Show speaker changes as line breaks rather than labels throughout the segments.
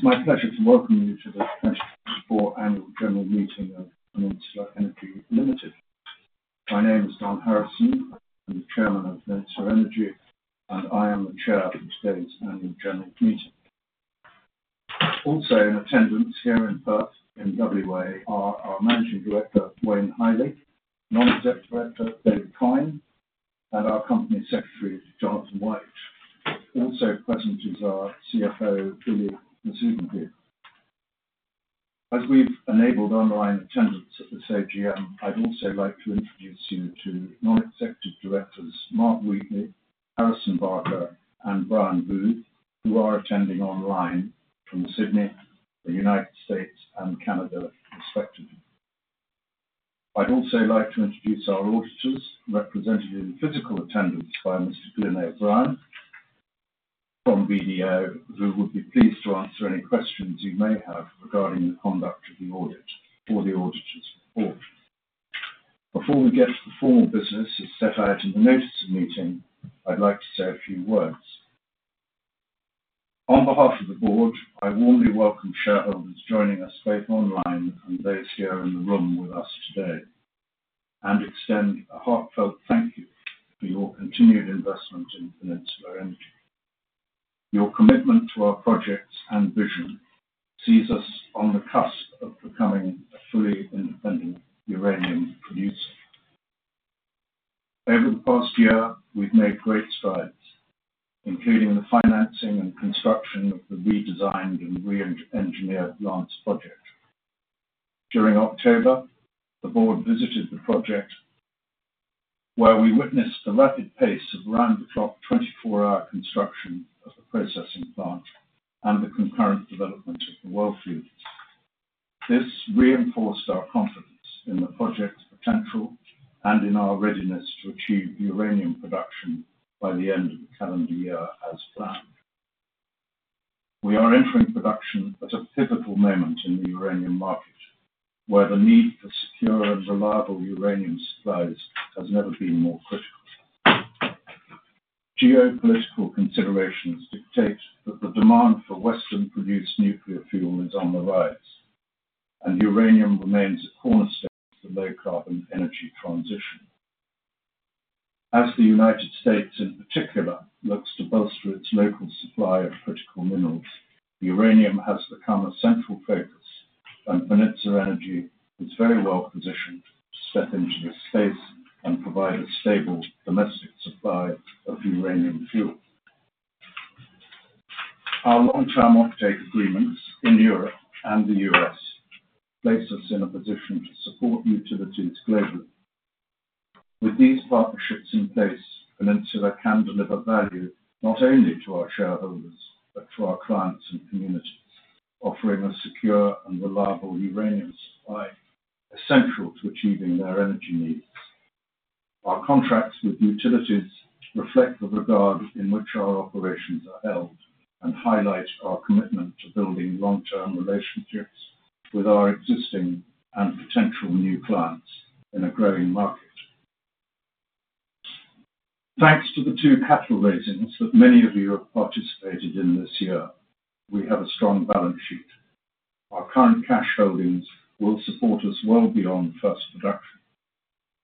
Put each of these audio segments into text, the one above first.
It's my pleasure to welcome you to the 2024 Annual General Meeting of Peninsula Energy Ltd. My name is John Harrison.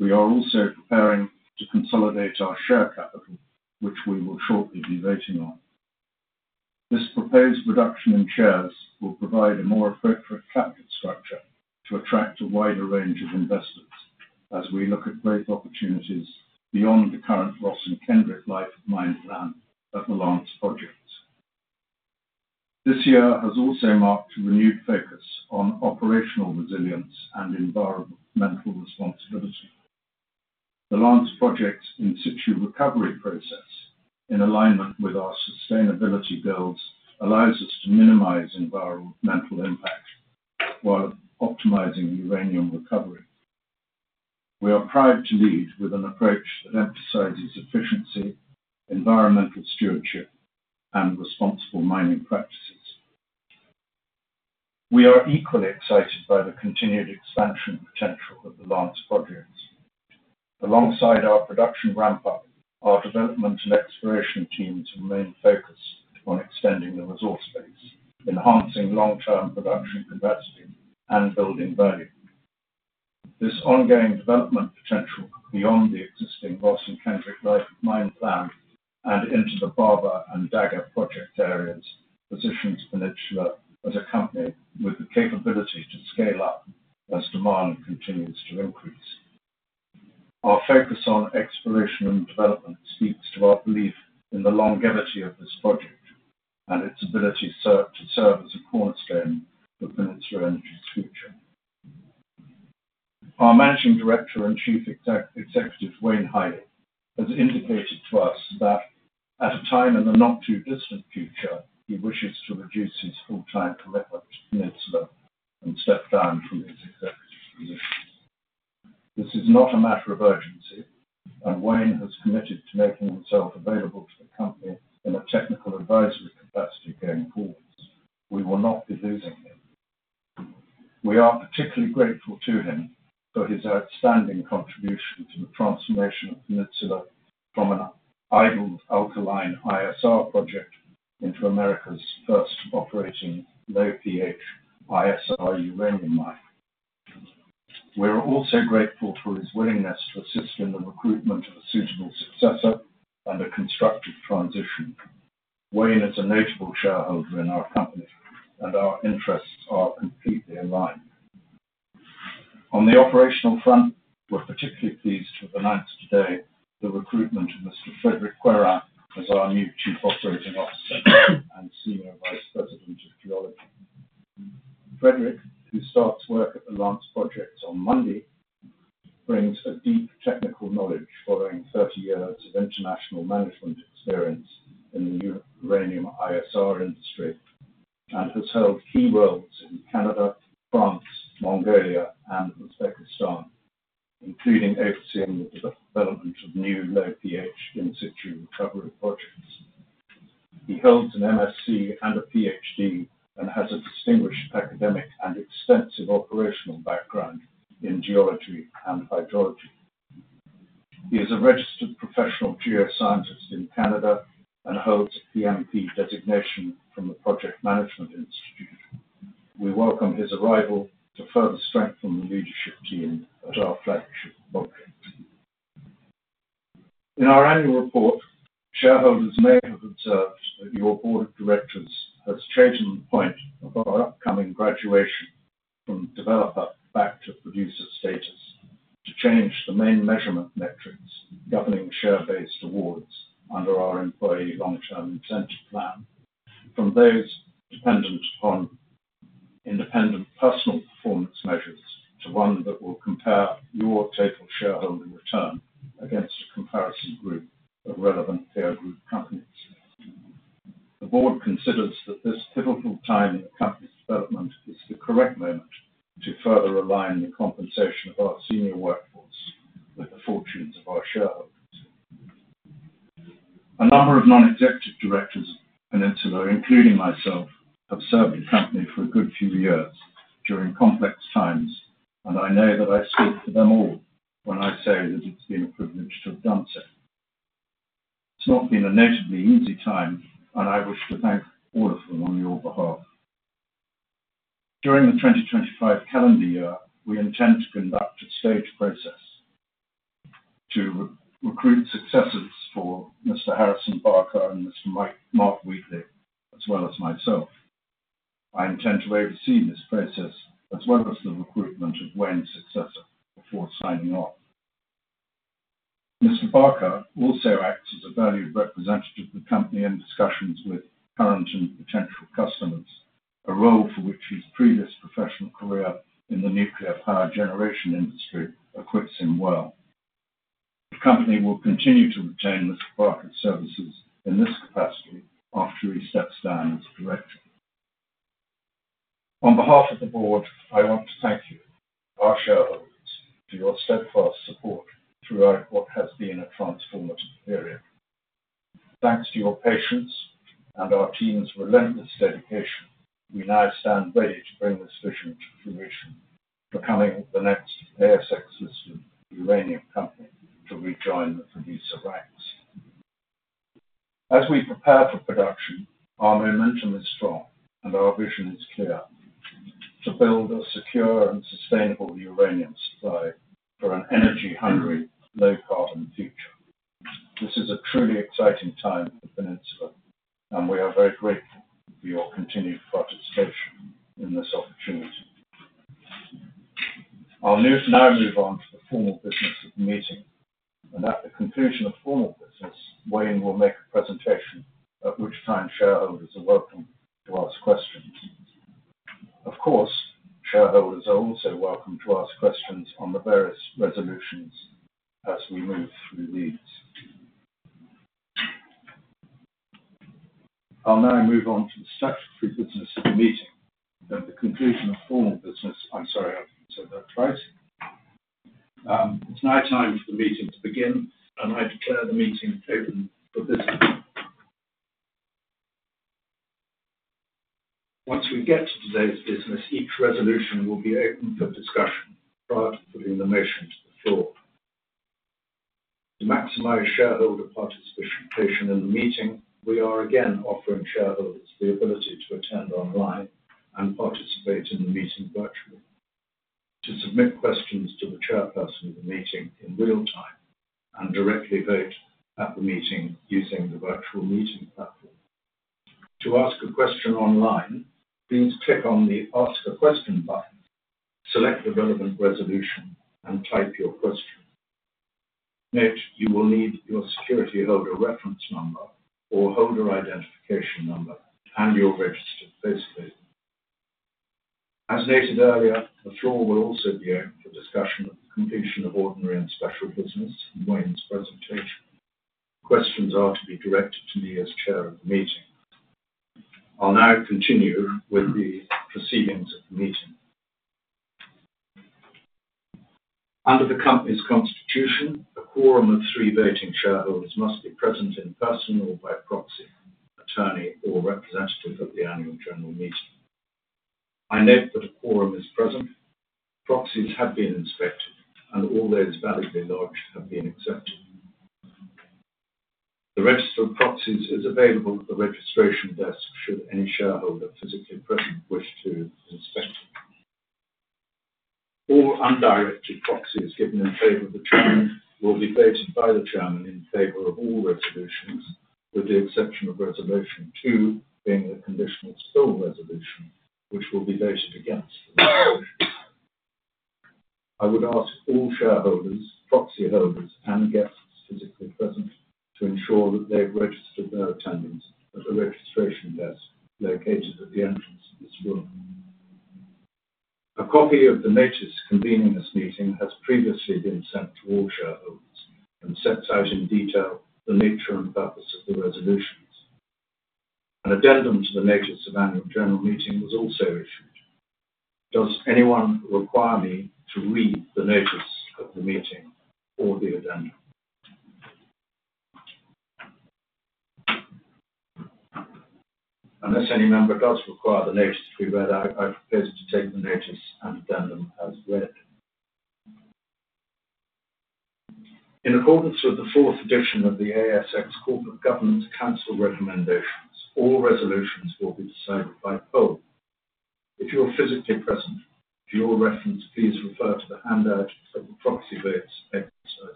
We are also preparing to consolidate our share capital, which we will shortly be waiting on. This proposed reduction in shares will provide a more appropriate capital structure to attract a wider range of investors as we look at growth opportunities beyond the current Ross and Kendrick life of mine plan at the Lance Projects. This year has also marked a renewed focus on operational resilience and environmental responsibility. The Lance project's in-situ recovery process, in alignment with our sustainability goals, allows us to minimize environmental impact while optimizing uranium recovery. We are primed to lead with an approach that emphasizes efficiency, environmental stewardship, and responsible mining practices. We are equally excited by the continued expansion potential of the Lance project. Alongside our production ramp-up, our development and exploration teams remain focused on extending the resource base, enhancing long-term production capacity, and building value. This ongoing development potential beyond the existing Ross and Kendrick life of mine plan and into the Barber and Dagger project areas positions Peninsula as a company with the capability to scale up as demand continues to increase. Our focus on exploration and development speaks to our belief in the longevity of this project and its ability to serve as a cornerstone for Peninsula Energy's future. Our Managing Director and Chief Executive Wayne Heili has indicated to us that, at a time in the not-too-distant future, he wishes to reduce his full-time commitment to Peninsula and step down from his executive position. This is not a matter of urgency, and Wayne has committed to making himself available to the Company in a technical advisory capacity going forward. We will not be losing him. We are particularly grateful to him for his outstanding contribution to the transformation of Peninsula from an idle alkaline ISR project into America's first operating low-pH ISR uranium mine. We are also grateful for his willingness to assist in the recruitment of a suitable successor and a constructive transition. Wayne is a notable shareholder in our Company, and our interests are completely aligned. On the operational front, we're particularly pleased with announced today the recruitment of Mr. Frédéric Guérin as our new Chief Operating Officer and Senior Vice President of Geology. Frédéric, who starts work at the Lance Projects on Monday, brings a deep technical knowledge following 30 years of international management experience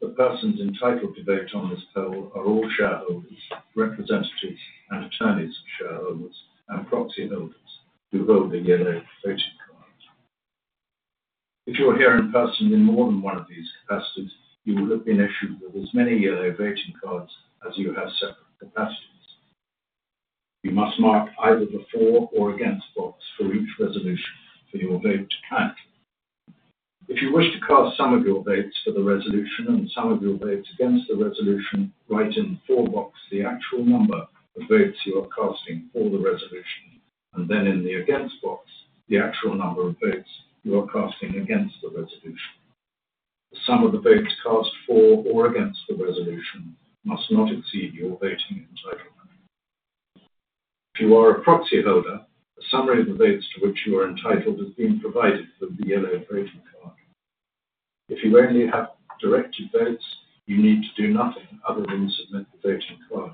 the persons entitled to vote on this poll are all shareholders, representatives, and attorneys of shareholders and proxy holders who hold a yellow voting card. If you're here in person in more than one of these capacities, you will have been issued with as many yellow voting cards as you have separate capacities. You must mark either the for or against box for each resolution for your vote to count. If you wish to cast some of your votes for the resolution and some of your votes against the resolution, write in the for box the actual number of votes you are casting for the resolution, and then in the against box, the actual number of votes you are casting against the resolution. The sum of the votes cast for or against the resolution must not exceed your voting entitlement. If you are a proxy holder, a summary of the votes to which you are entitled has been provided with the yellow voting card. If you only have directed votes, you need to do nothing other than submit the voting card.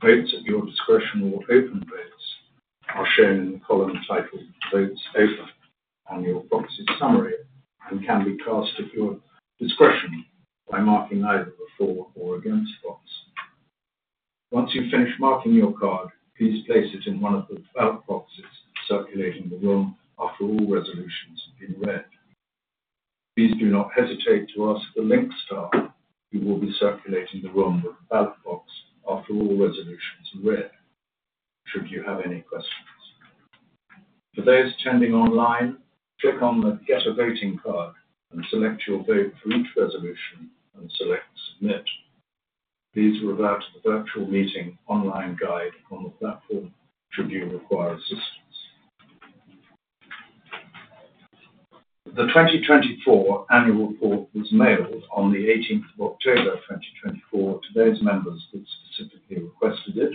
Votes at your discretion or open votes are shown in the column titled Votes Open on your proxy summary and can be cast at your discretion by marking either the for or against box. Once you've finished marking your card, please place it in one of the ballot boxes circulating the room after all resolutions have been read. Please do not hesitate to ask the Link staff who will be circulating the room with the ballot box after all resolutions are read, should you have any questions. For those attending online, click on the Get a Voting Card and select your vote for each resolution and select Submit. Please refer to the virtual meeting online guide on the platform should you require assistance. The 2024 annual report was mailed on the 18th of October 2024 to those members that specifically requested it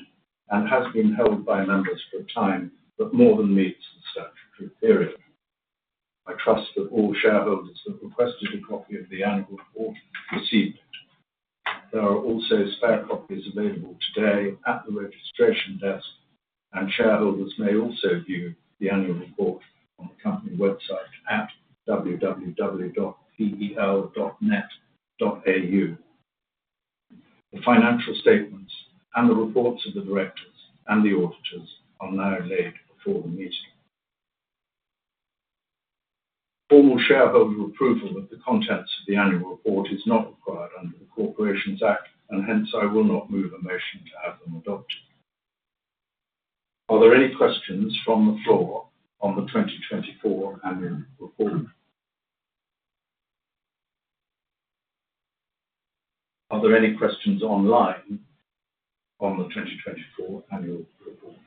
and has been held by members for a time that more than meets the statutory period. I trust that all shareholders that requested a copy of the annual report received it. There are also spare copies available today at the registration desk, and shareholders may also view the annual report on the Company website at www.pel.net.au. The financial statements and the reports of the directors and the auditors are now laid before the meeting. Formal shareholder approval of the contents of the annual report is not required under the Corporations Act, and hence I will not move a motion to have them adopted. Are there any questions from the floor on the 2024 annual report? Are there any questions online on the 2024 annual report?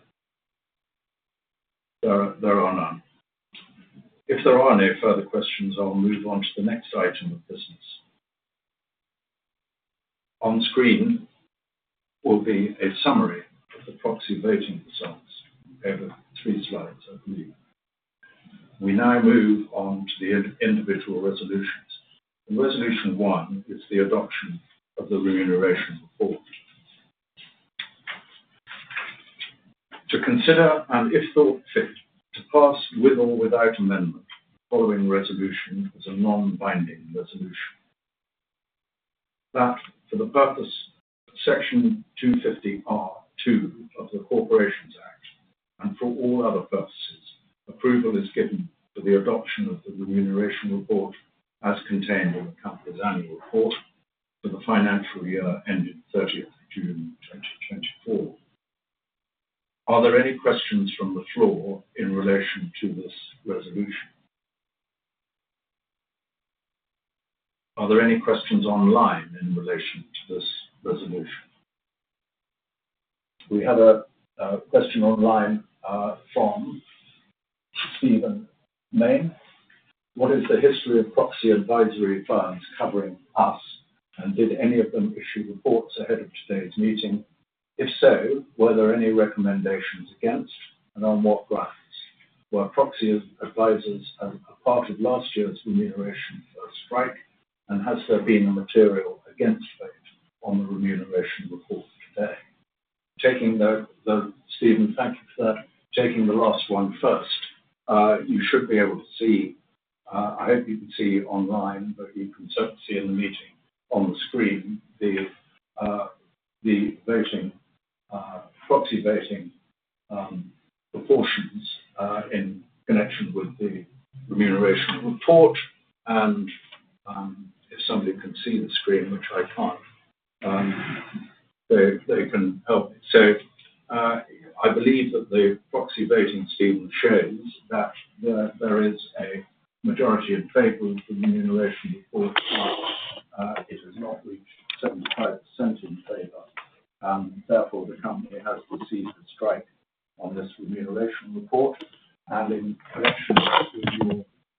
There are none. If there are no further questions, I'll move on to the next item of business. On screen will be a summary of the proxy voting results over three slides, I believe. We now move on to the individual resolutions. Resolution One is the adoption of the remuneration report. To consider and, if thought fit, to pass with or without amendment the following resolution as a non-binding resolution. That for the purpose of Section 250R(2) of the Corporations Act and for all other purposes, approval is given for the adoption of the remuneration report as contained in the Company's annual report for the financial year ending 30th of June 2024. Are there any questions from the floor in relation to this resolution? Are there any questions online in relation to this resolution? We have a question online from Stephen Mayne. What is the history of proxy advisory firms covering us, and did any of them issue reports ahead of today's meeting? If so, were there any recommendations against, and on what grounds? Were proxy advisors a part of last year's remuneration for a strike, and has there been material against votes on the remuneration report today? Thank you for that. Taking the last one first, you should be able to see, I hope you can see online, but you can certainly see in the meeting on the screen the proxy voting proportions in connection with the remuneration report. And if somebody can see the screen, which I can't, they can help me. So I believe that the proxy voting, Stephen, shows that there is a majority in favor of the remuneration report. It has not reached 75% in favor. Therefore, the Company has received a strike on this remuneration report. And in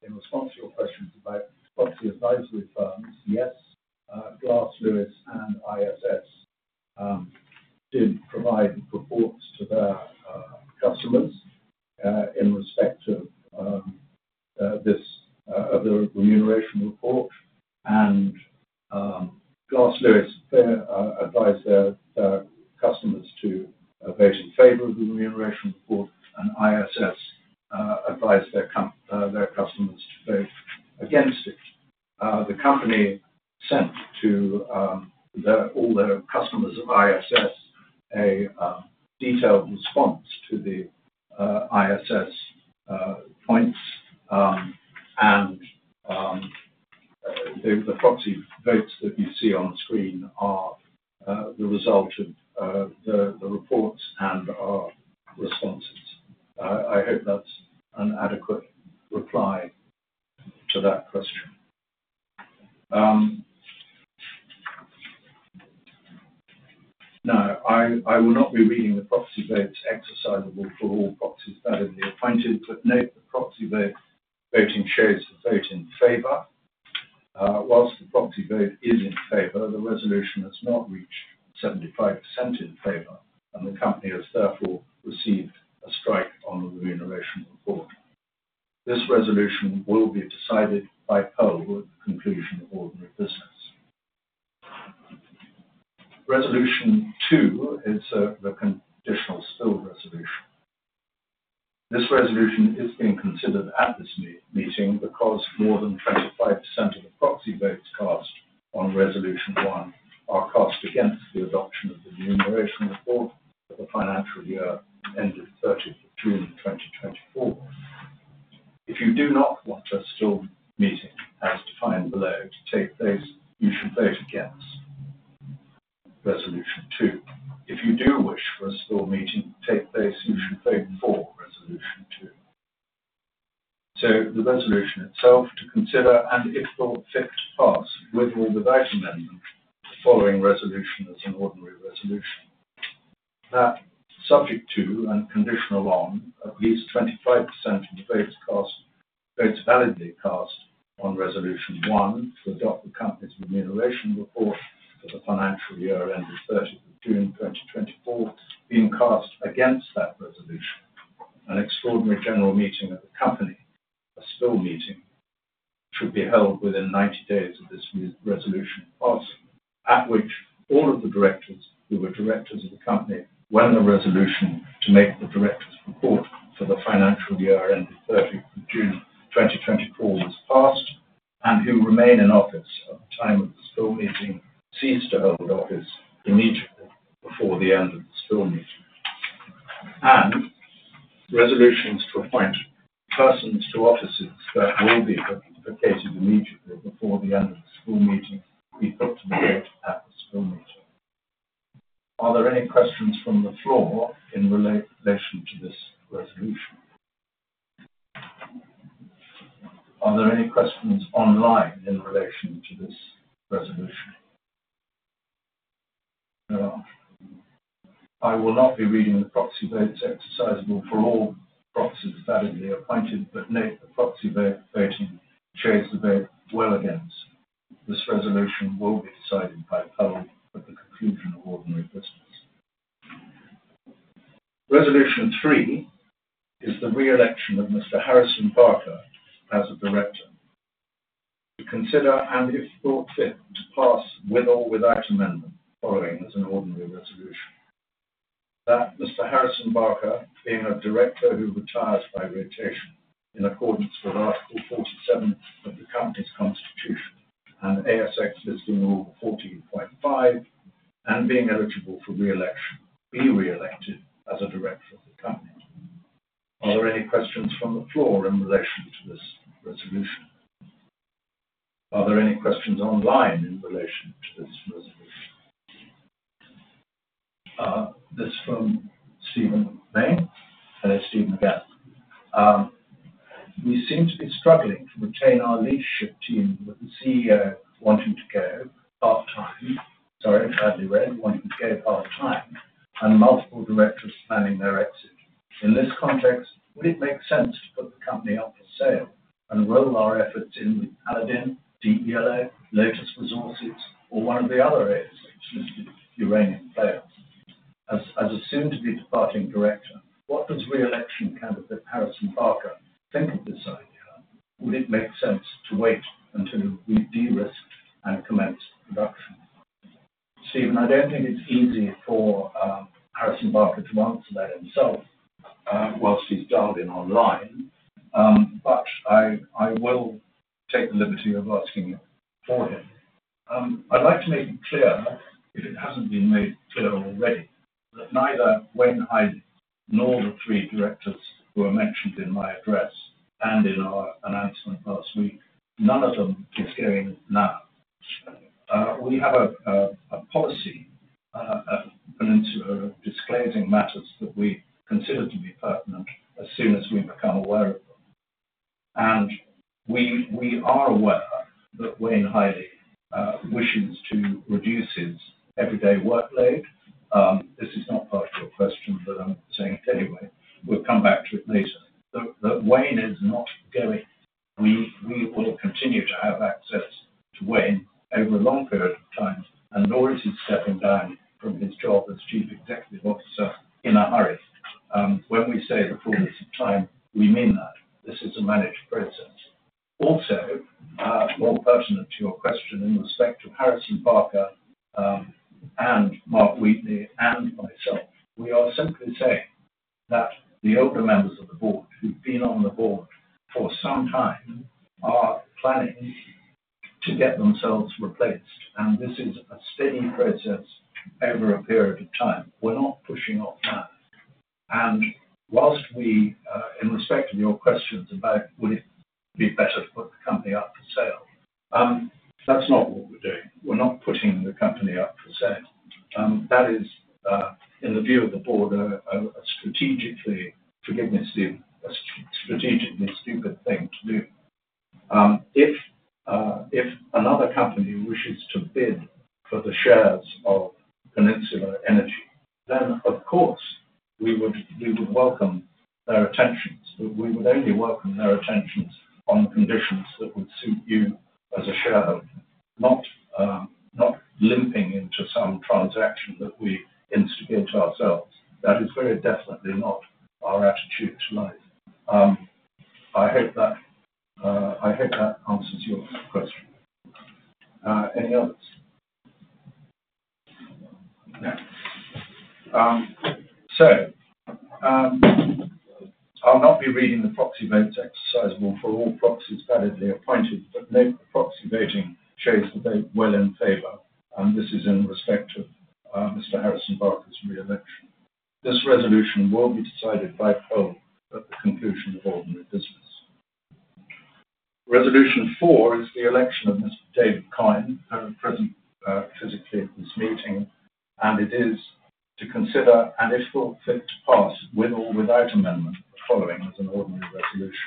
response to your questions about proxy advisory firms, yes, Glass Lewis and ISS did provide reports to their customers in respect of the remuneration report. And Glass Lewis advised their customers to vote in favor of the remuneration report, and ISS advised their customers to vote against it. The Company sent to all their customers of ISS a detailed response to the ISS points, and the proxy votes that you see on the screen are the result of the reports and our responses. I hope that's an adequate reply to that question. Now, I will not be reading the proxy votes exercisable for all proxies that have been appointed, but note the proxy vote voting shows the vote in favor. While the proxy vote is in favor, the resolution has not reached 75% in favor, and the Company has therefore received a strike on the remuneration report. This resolution will be decided by poll at the conclusion of ordinary business. Resolution Two is a conditional spill resolution. This resolution is being considered at this meeting because more than 25% of the proxy votes cast on Resolution One are cast against the adoption of the remuneration report for the financial year ending 30th of June 2024. If you do not want a stall meeting as defined below to take place, you should vote against Resolution Two. If you do wish for a stall meeting to take place, you should vote for Resolution Two. So the resolution itself to consider, and if thought fit, to pass with or without amendment the following resolution as an ordinary resolution. That, subject to and conditional on at least 25% of the votes validly cast on Resolution One to adopt the Company's remuneration report for the financial year ending 30th of June 2024 being cast against that resolution, an extraordinary general meeting of the Company, a spill meeting, should be held within 90 days of this resolution passing, at which all of the directors who were directors of the Company when the resolution to [adopt] the remuneration report for the financial year ending 30th of June 2024 was passed and who remain in office at the time of the spill meeting cease to hold office immediately before the end of the spill meeting. And resolutions to appoint persons to offices that will be appointed immediately before the end of the spill meeting be put to the vote at the spill meeting. Are there any questions from the floor in relation to this resolution? Are there any questions online in relation to this resolution? There are. I will not be reading the proxy votes exercisable for all proxies validly appointed, but note the proxy voting shows the vote well against. This resolution will be decided by poll at the conclusion of ordinary business. Resolution Three is the re-election of Mr. Harrison Barker as a director. To consider and, if thought fit, to pass with or without amendment the following as an ordinary resolution. That Mr. Harrison Barker, being a director who retired by rotation in accordance with Article 47 of the Company's Constitution and ASX Listing Rule 14.5, and being eligible for re-election, be re-elected as a director of the Company. Are there any questions from the floor in relation to this resolution? Are there any questions online in relation to this resolution? This from Stephen Mayne. Hello, Stephen. Again. We seem to be struggling to retain our leadership team with the CEO wanting to go part-time, sorry, badly read, wanting to go part-time, and multiple directors planning their exit. In this context, would it make sense to put the Company up for sale and roll our efforts in with Paladin, Deep Yellow, Lotus Resources, or one of the other ASX-listed uranium players? As a soon-to-be departing director, what does re-election candidate Harrison Barker think of this idea? Would it make sense to wait until we de-risk and commence production? Stephen, I don't think it's easy for Harrison Barker to answer that himself whilst he's dialed in online, but I will take the liberty of asking for him. I'd like to make it clear, if it hasn't been made clear already, that neither I nor the three directors who are mentioned in my address and in our announcement last week, none of them is going now. We have a policy at Peninsula of disclosing matters that we consider to be pertinent as soon as we become aware of them. And we are aware that Wayne Heili wishes to reduce his everyday workload. This is not part of your question, but I'm saying it anyway. We'll come back to it later. That Wayne is not going. We will continue to have access to Wayne over a long period of time, and nor is he stepping down from his job as Chief Executive Officer in a hurry. When we say the fullness of time, we mean that. This is a managed process. Also, more pertinent to your question in respect of Harrison Barker and Mark Wheatley and myself, we are simply saying that the older members of the board who've been on the board for some time are planning to get themselves replaced, and this is a steady process over a period of time. We're not pushing off that, and whilst we, in respect of your questions about would it be better to put the Company up for sale, that's not what we're doing. We're not putting the Company up for sale. That is, in the view of the board, a strategically stupid thing to do. If another company wishes to bid for the shares of Peninsula Energy, then, of course, we would welcome their attentions, but we would only welcome their attentions on conditions that would suit you as a shareholder, not limping into some transaction that we instigate ourselves. That is very definitely not our attitude to life. I hope that answers your question. Any others? No. So I'll not be reading the proxy votes exercisable for all proxies validly appointed, but note the proxy voting shows the vote well in favor. And this is in respect of Mr. Harrison Barker's re-election. This resolution will be decided by poll at the conclusion of ordinary business. Resolution Four is the election of Mr. David Coyne, who is present physically at this meeting, and it is to consider and, if thought fit, to pass with or without amendment the following as an ordinary resolution.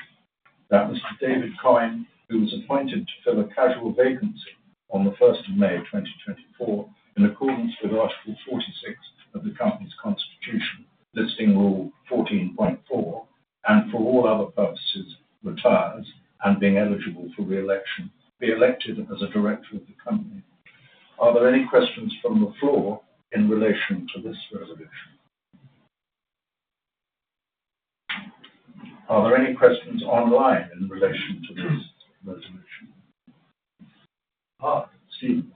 That Mr. David Coyne, who was appointed to fill a casual vacancy on the 1st of May 2024 in accordance with Article 46 of the Company's Constitution, Listing Rule 14.4, and for all other purposes, retires and being eligible for re-election, be elected as a director of the Company. Are there any questions from the floor in relation to this resolution? Are there any questions online in relation to this resolution? Stephen.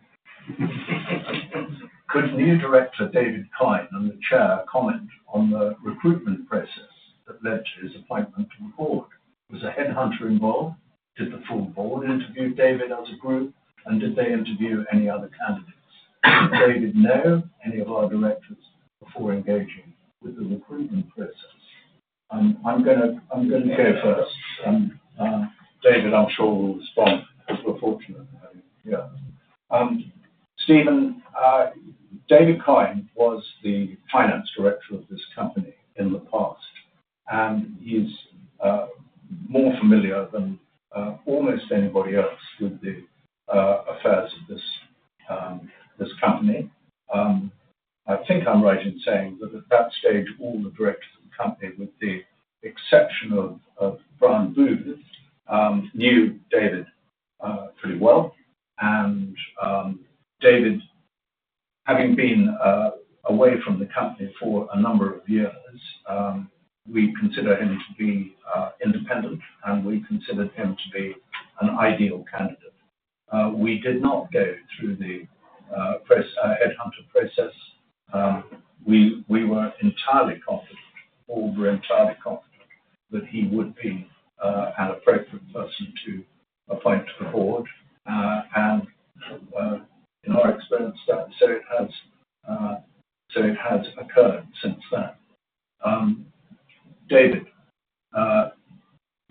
Could new director David Coyne and the chair comment on the recruitment process that led to his appointment to the board? Was a headhunter involved? Did the full board interview David as a group, and did they interview any other candidates? Did David know any of our directors before engaging with the recruitment process? I'm going to go first. David, I'm sure will respond because we're fortunate that he - yeah. Stephen, David Coyne was the finance director of this company in the past, and he's more familiar than almost anybody else with the affairs of this company. I think I'm right in saying that at that stage, all the directors of the Company, with the exception of Brian Booth, knew David pretty well. And David, having been away from the Company for a number of years, we consider him to be independent, and we considered him to be an ideal candidate. We did not go through the headhunter process. We were entirely confident, all were entirely confident, that he would be an appropriate person to appoint to the board. And in our experience, so it has occurred since then. David,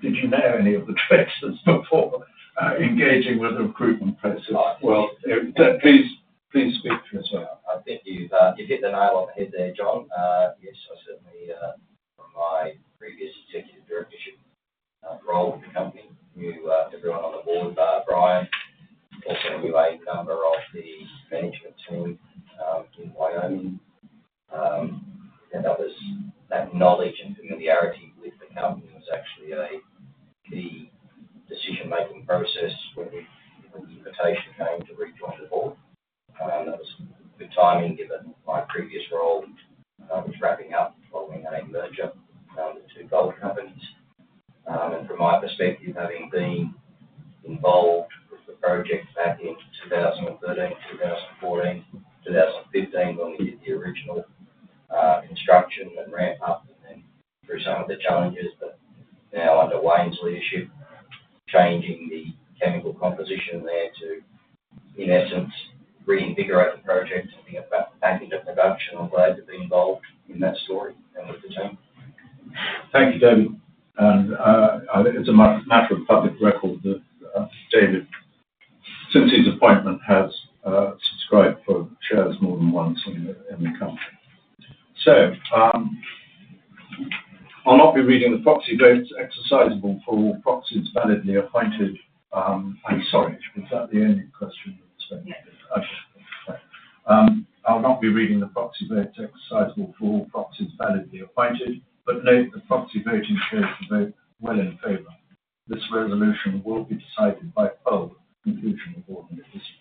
did you know any of the directors before engaging with the recruitment process? Well, please speak to us.
I think you've hit the nail on the head there, John. Yes, I certainly. From my previous executive directorship role at the Company, knew everyone on the board, Brian. Also knew a member of the management team in Wyoming. That knowledge and familiarity with the Company was actually a key decision-making process when the invitation came to rejoin the board. That was good timing given my previous role was wrapping up following a merger of the two gold companies. From my perspective, having been involved with the project back in 2013, 2014, 2015 when we did the original construction and ramp-up, and then through some of the challenges that now under Wayne's leadership, changing the chemical composition there to, in essence, reinvigorate the project, something about back into production, I'm glad to be involved in that story and with the team.
Thank you, David. It's a matter of public record that David, since his appointment, has subscribed for shares more than once in the Company. I'll not be reading the proxy votes exercisable for all proxies validly appointed. I'm sorry. Was that the only question you wereexpecting? Yeah. Okay. I'll not be reading the proxy votes exercisable for all proxies validly appointed, but note the proxy voting shows the vote well in favor. This resolution will be decided by poll at the conclusion of ordinary business.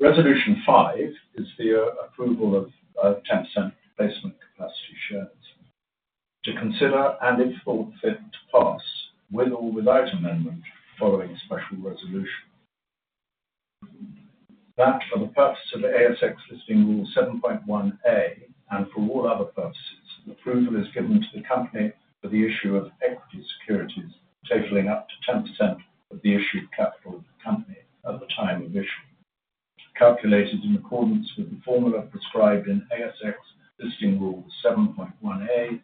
Resolution Five is the approval of 10% Placement Capacity shares. To consider and, if thought fit, to pass with or without amendment following special resolution. That for the purpose of ASX Listing Rule 7.1A and for all other purposes, approval is given to the Company for the issue of equity securities totaling up to 10% of the issued capital of the Company at the time of issue, calculated in accordance with the formula prescribed in ASX Listing Rule 7.1A.2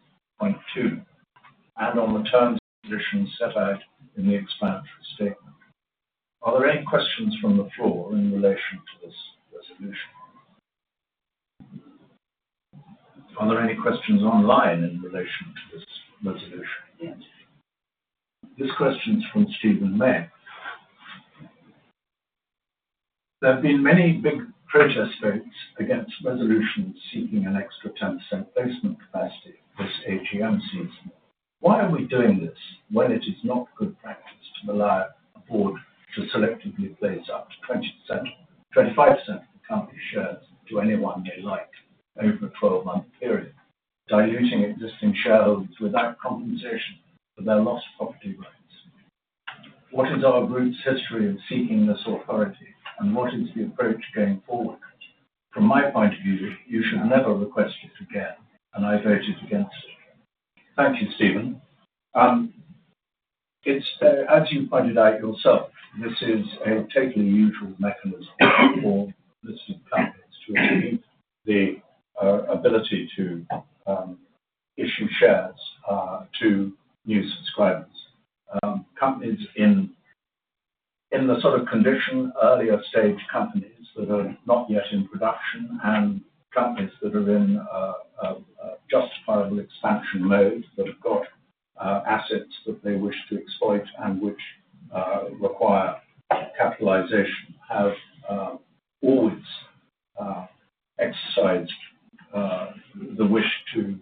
and on the terms and conditions set out in the explanatory statement. Are there any questions from the floor in relation to this resolution? Are there any questions online in relation to this resolution? Yes. This question's from Stephen Mayne. There have been many big protest votes against resolutions seeking an extra 10% placement capacity this AGM season. Why are we doing this when it is not good practice to rely on the board to selectively place up to 20%, 25% of the Company shares to anyone they like over a 12-month period, diluting existing shareholders without compensation for their lost property rights? What is our group's history of seeking this authority, and what is the approach going forward? From my point of view, you should never request it again, and I voted against it. Thank you, Stephen. As you pointed out yourself, this is a totally usual mechanism for listed companies to achieve the ability to issue shares to new subscribers. Companies in the sort of condition, early stage companies that are not yet in production and companies that are in justifiable expansion mode that have got assets that they wish to exploit and which require capitalization have always exercised the wish to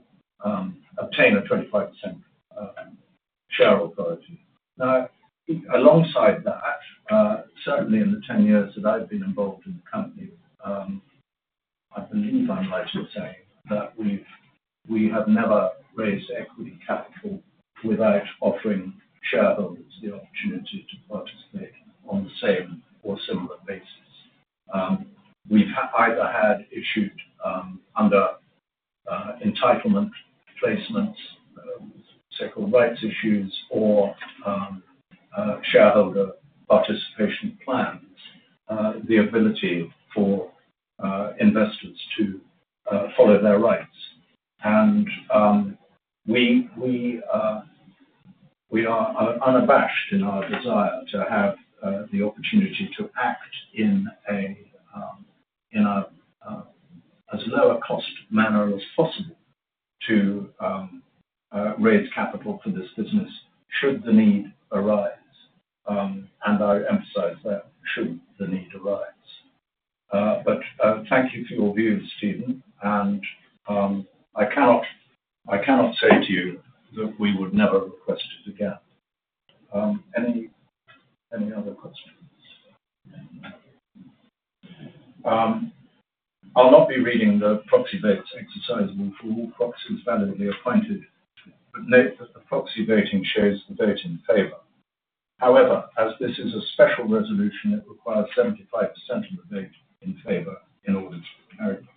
obtain a 25% share authority. Now, alongside that, certainly in the 10 years that I've been involved in the Company, I believe I'm right in saying that we have never raised equity capital without offering shareholders the opportunity to participate on the same or similar basis. We've either had issued under entitlement placements, security rights issues, or shareholder participation plans, the ability for investors to follow their rights. We are unabashed in our desire to have the opportunity to act in as low a cost manner as possible to raise capital for this business should the need arise. I emphasize that should the need arise. But thank you for your views, Stephen, and I cannot say to you that we would never request it again. Any other questions? I'll not be reading the proxy votes exercisable for all proxies validly appointed, but note that the proxy voting shows the vote in favor. However, as this is a special resolution, it requires 75% of the vote in favor in order to carry.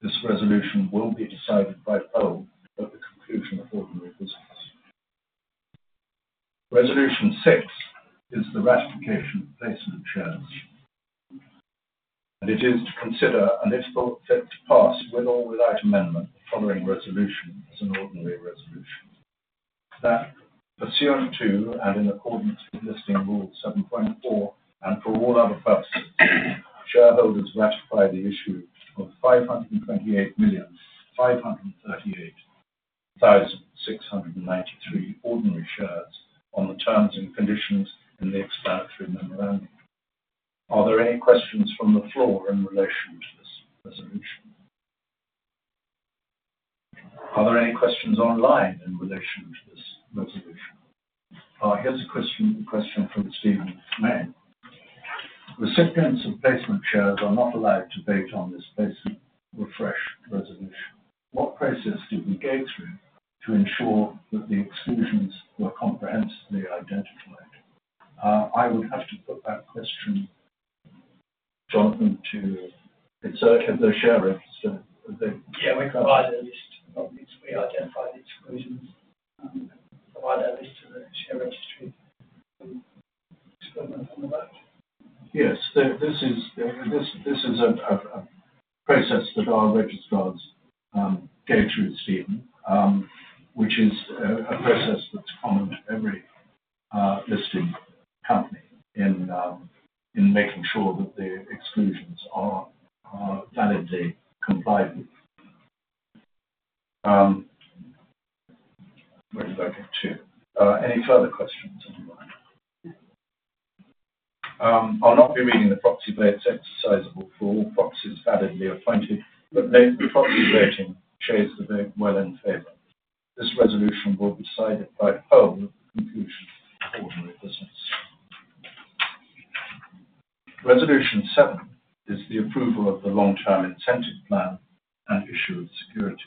This resolution will be decided by poll at the conclusion of ordinary business. Resolution Six is the ratification of placement shares. And it is to consider and, if thought fit, to pass with or without amendment the following resolution as an ordinary resolution. That pursuant to and in accordance with Listing Rule 7.4 and for all other purposes, shareholders ratify the issue of 528,538,693 ordinary shares on the terms and conditions in the explanatory memorandum. Are there any questions from the floor in relation to this resolution? Are there any questions online in relation to this resolution? Here's a question from Stephen Mayne. Recipients of placement shares are not allowed to vote on this placement refresh resolution. What process did we go through to ensure that the exclusions were comprehensively identified? I would have to put that question, Jonathan, to the share register.
Yeah, we provide a list. We identify the exclusions and provide a list to the share registry. Yes, this is a process that our registrars go through, Stephen, which is a process that's common to every listed company in making sure that the exclusions are validly complied with. Where did I go to? Any further questions online? I'll not be reading the proxy votes exercisable for all proxies validly appointed, but note the proxy voting shows the vote well in favour.
This resolution will be decided by poll at the conclusion of ordinary business. Resolution Seven is the approval of the long-term incentive plan and issue of securities.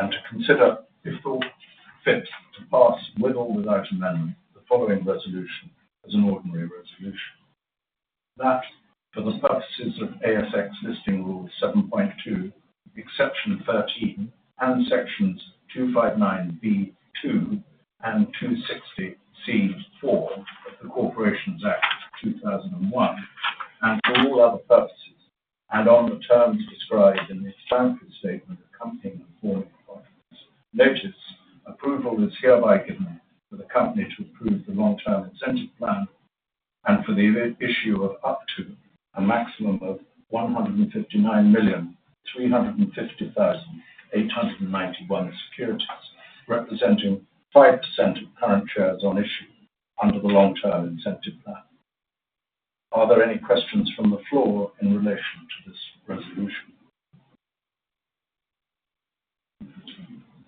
And to consider, if thought fit, to pass with or without amendment the following resolution as an ordinary resolution. That for the purposes of ASX Listing Rule 7.2, Exception 13, and Sections 259(b)(2) and 260(c)(4) of the Corporations Act 2001, and for all other purposes, and on the terms described in the explanatory statement of the Company and formal documents. Notice: Approval is hereby given for the Company to approve the long-term incentive plan and for the issue of up to a maximum of 159,350,891 securities, representing 5% of current shares on issue under the long-term incentive plan. Are there any questions from the floor in relation to this resolution?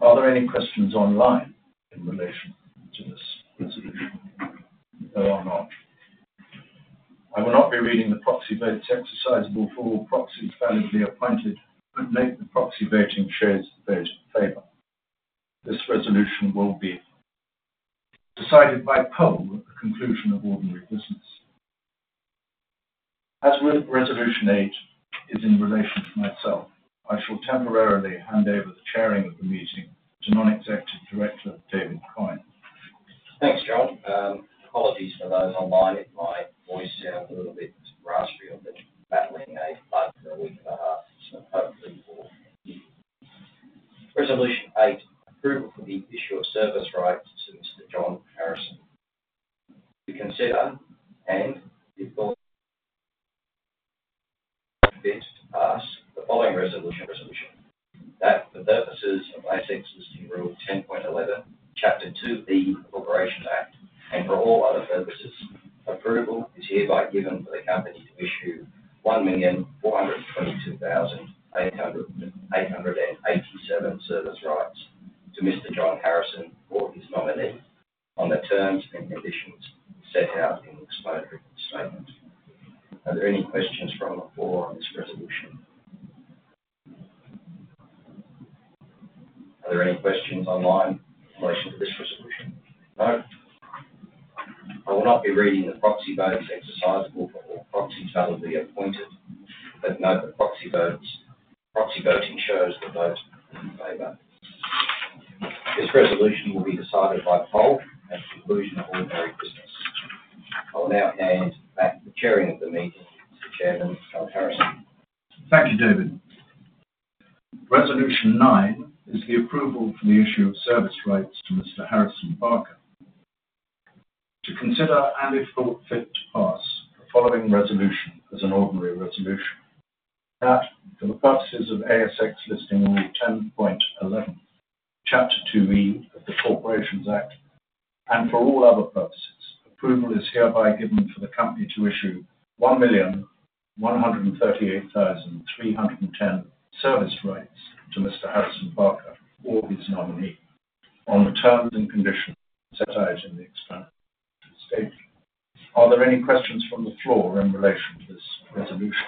Are there any questions online in relation to this resolution? No, I'm not. I will not be reading the proxy votes exercisable for all proxies validly appointed, but note the proxy voting shows the vote in favour. This resolution will be decided by poll at the conclusion of ordinary business. As with Resolution Eight, it is in relation to myself. I shall temporarily hand over the chairing of the meeting to Non-Executive Director David Coyne.
Thanks, John. Apologies for those online. My voice sounds a little bit raspy or a bit rattling. I've had for a week and a half, so hopefully it will. Resolution Eight, approval for the issue of service rights to Mr. John Harrison. To consider and, if thought fit, to pass the following resolution: that for purposes of ASX Listing Rule 10.11, Chapter 2B, Corporations Act, and for all other purposes, approval is hereby given for the Company to issue 1,422,887 service rights to Mr. John Harrison or his nominee on the terms and conditions set out in the explanatory statement. Are there any questions from the floor on this resolution? Are there any questions online in relation to this resolution? No. I will not be reading the proxy votes exercisable for all proxies validly appointed, but note the proxy voting shows the vote in favor. This resolution will be decided by poll at the conclusion of ordinary business. I will now hand back the chairing of the meeting to Chairman John Harrison.
Thank you, David. Resolution Nine is the approval for the issue of service rights to Mr. Harrison Barker. To consider and, if thought fit, to pass the following resolution as an ordinary resolution. That for the purposes of ASX Listing Rule 10.11, Chapter 2E of the Corporations Act, and for all other purposes, approval is hereby given for the Company to issue 1,138,310 service rights to Mr. Harrison Barker or his nominee on the terms and conditions set out in the explanatory statement. Are there any questions from the floor in relation to this resolution?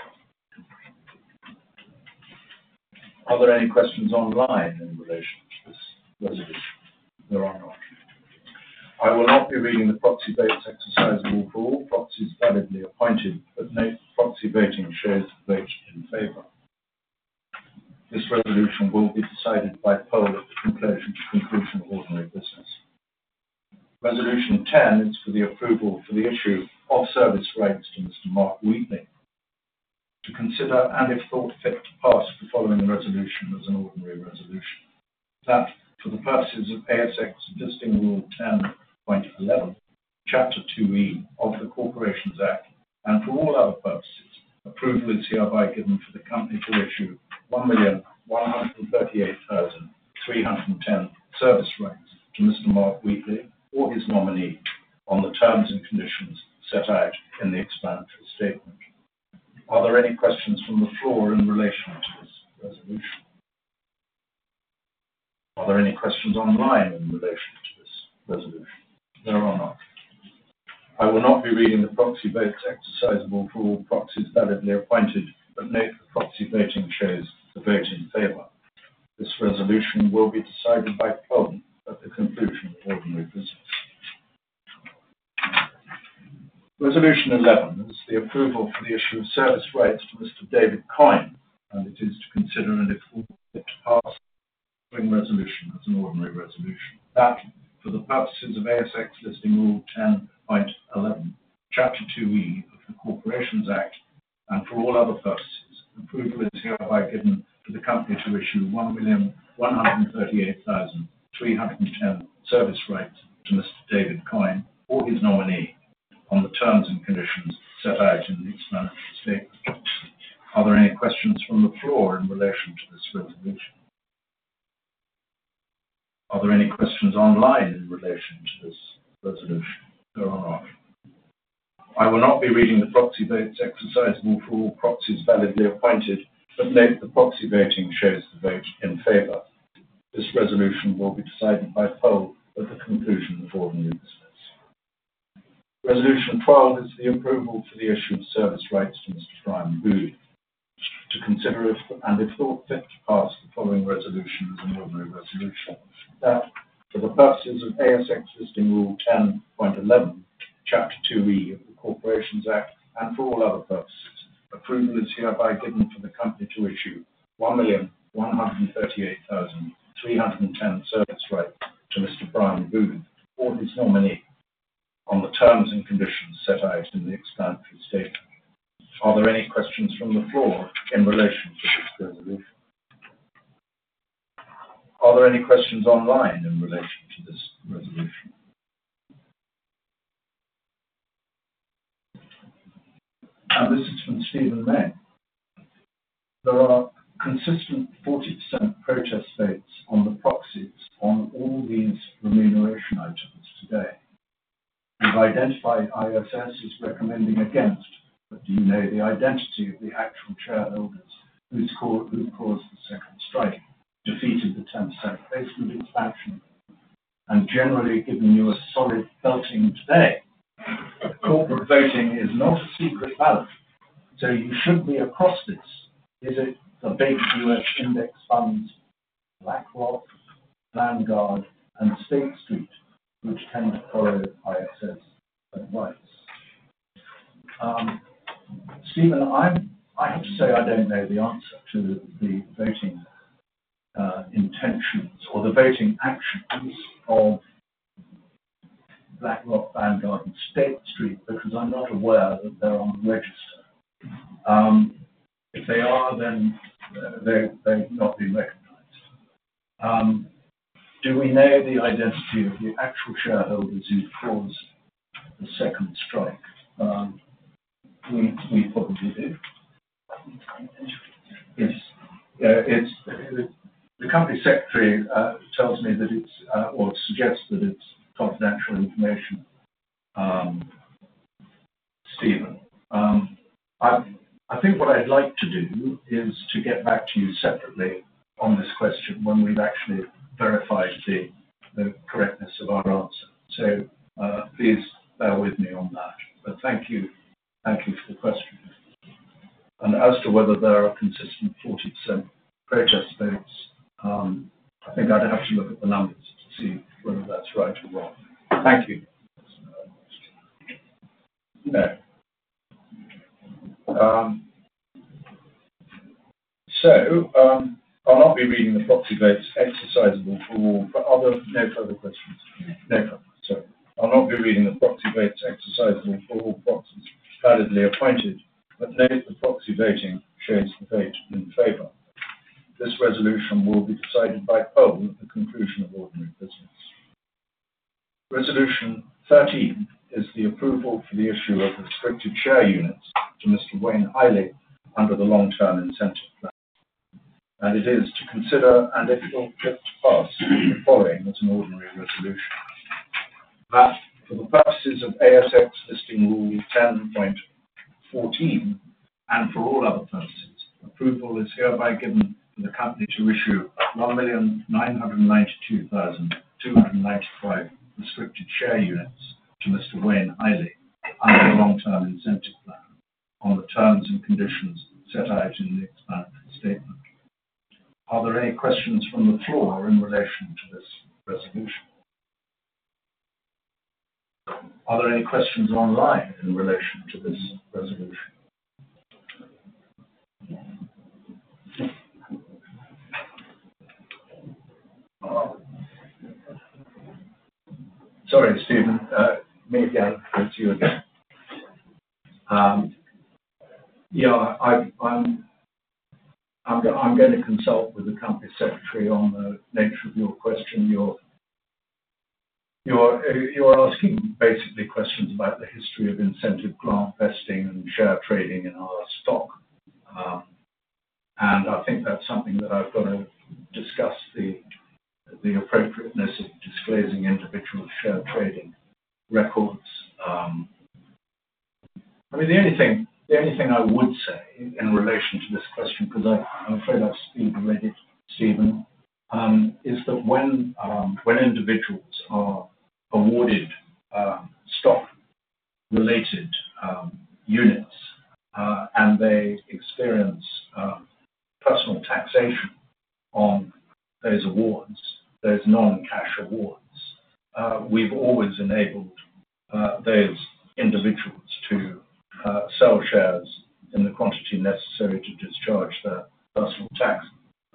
Are there any questions online in relation to this resolution? No, I'm not. I will not be reading the proxy votes exercisable for all proxies validly appointed, but note the proxy voting shows the vote in favour. This resolution will be decided by poll at the conclusion of ordinary business. Resolution 10 is for the approval for the issue of service rights to Mr. Mark Wheatley. To consider and, if thought fit, to pass the following resolution as an ordinary resolution. That for the purposes of ASX Listing Rule 10.11, Chapter 2E of the Corporations Act, and for all other purposes, approval is hereby given for the Company to issue 1,138,310 service rights to Mr. Mark Wheatley or his nominee on the terms and conditions set out in the explanatory statement. Are there any questions from the floor in relation to this resolution? Are there any questions online in relation to this resolution? No, I'm not. I will not be reading the proxy votes exercisable for all proxies validly appointed, but note the proxy voting shows the vote in favor. This resolution will be decided by poll at the conclusion of ordinary business. Resolution 11 is the approval for the issue of service rights to Mr. David Coyne, and it is to consider and, if thought fit, to pass the following resolution as an ordinary resolution. That for the purposes of ASX Listing Rule 10.11, Chapter 2E of the Corporations Act, and for all other purposes, approval is hereby given for the Company to issue 1,138,310 service rights to Mr. David Coyne or his nominee on the terms and conditions set out in the explanatory statement. Are there any questions from the floor in relation to this resolution? Are there any questions online in relation to this resolution? No, I'm not. I will not be reading the proxy votes exercisable for all proxies validly appointed, but note the proxy voting shows the vote in favour. This resolution will be decided by poll at the conclusion of ordinary business. Resolution 12 is the approval for the issue of service rights to Mr. Brian Booth. To consider and, if thought fit, to pass the following resolution as an ordinary resolution. That for the purposes of ASX Listing Rule 10.11, Chapter 2E of the Corporations Act, and for all other purposes, approval is hereby given for the Company to issue 1,138,310 service rights to Mr. Brian Booth or his nominee on the terms and conditions set out in the explanatory statement. Are there any questions from the floor in relation to this resolution? Are there any questions online in relation to this resolution? And this is from Stephen Mayne. There are consistent 40% protest votes on the proxies on all these remuneration items today. We've identified ISS is recommending against, but do you know the identity of the actual shareholders who caused the second strike, defeated the 10% placement expansion, and generally given you a solid belting today? Corporate voting is not a secret ballot, so you shouldn't be across this. Is it the big US index funds, BlackRock, Vanguard, and State Street, which tend to follow ISS advice? Stephen, I have to say I don't know the answer to the voting intentions or the voting actions of BlackRock, Vanguard, and State Street because I'm not aware that they're on the register. If they are, then they've not been recognised. Do we know the identity of the actual shareholders who caused the second strike? We probably do. Yes. The Company Secretary tells me that it's or suggests that it's confidential information. Stephen, I think what I'd like to do is to get back to you separately on this question when we've actually verified the correctness of our answer. So please bear with me on that. But thank you for the question. As to whether there are consistent 40% protest votes, I think I'd have to look at the numbers to see whether that's right or wrong. Thank you. No. So I'll not be reading the proxy votes exercisable for all other no further questions. No further questions. Sorry. I'll not be reading the proxy votes exercisable for all proxies validly appointed, but note the proxy voting shows the vote in favour. This resolution will be decided by poll at the conclusion of ordinary business. Resolution 13 is the approval for the issue of restricted share units to Mr. Wayne Heili under the long-term incentive plan. It is to consider and, if thought fit, to pass the following as an ordinary resolution. That for the purposes of ASX Listing Rule 10.14, and for all other purposes, approval is hereby given for the Company to issue 1,992,295 restricted share units to Mr. Wayne Heili under the long-term incentive plan on the terms and conditions set out in the explanatory statement. Are there any questions from the floor in relation to this resolution? Are there any questions online in relation to this resolution? Sorry, Stephen. Me again. It's you again. Yeah, I'm going to consult with the Company Secretary on the nature of your question. You're asking basically questions about the history of incentive grant vesting and share trading in our stock, and I think that's something that I've got to discuss the appropriateness of disclosing individual share trading records. I mean, the only thing I would say in relation to this question, because I'm afraid I've sped already, Stephen, is that when individuals are awarded stock-related units and they experience personal taxation on those awards, those non-cash awards, we've always enabled those individuals to sell shares in the quantity necessary to discharge their personal tax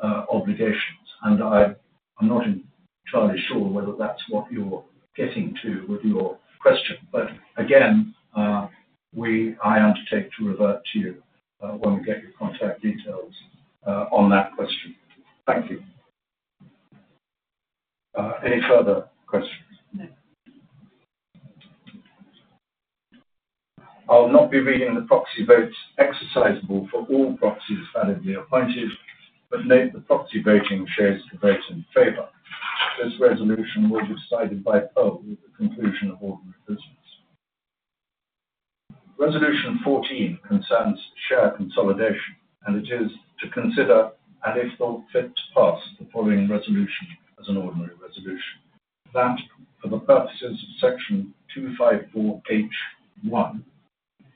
obligations. And I'm not entirely sure whether that's what you're getting to with your question. But again, I undertake to revert to you when we get your contact details on that question. Thank you. Any further questions? No. I'll not be reading the proxy votes exercisable for all proxies validly appointed, but note the proxy voting shows the vote in favor. This resolution will be decided by poll at the conclusion of ordinary business. Resolution 14 concerns share consolidation, and it is to consider and, if thought fit, to pass the following resolution as an ordinary resolution. That for the purposes of Section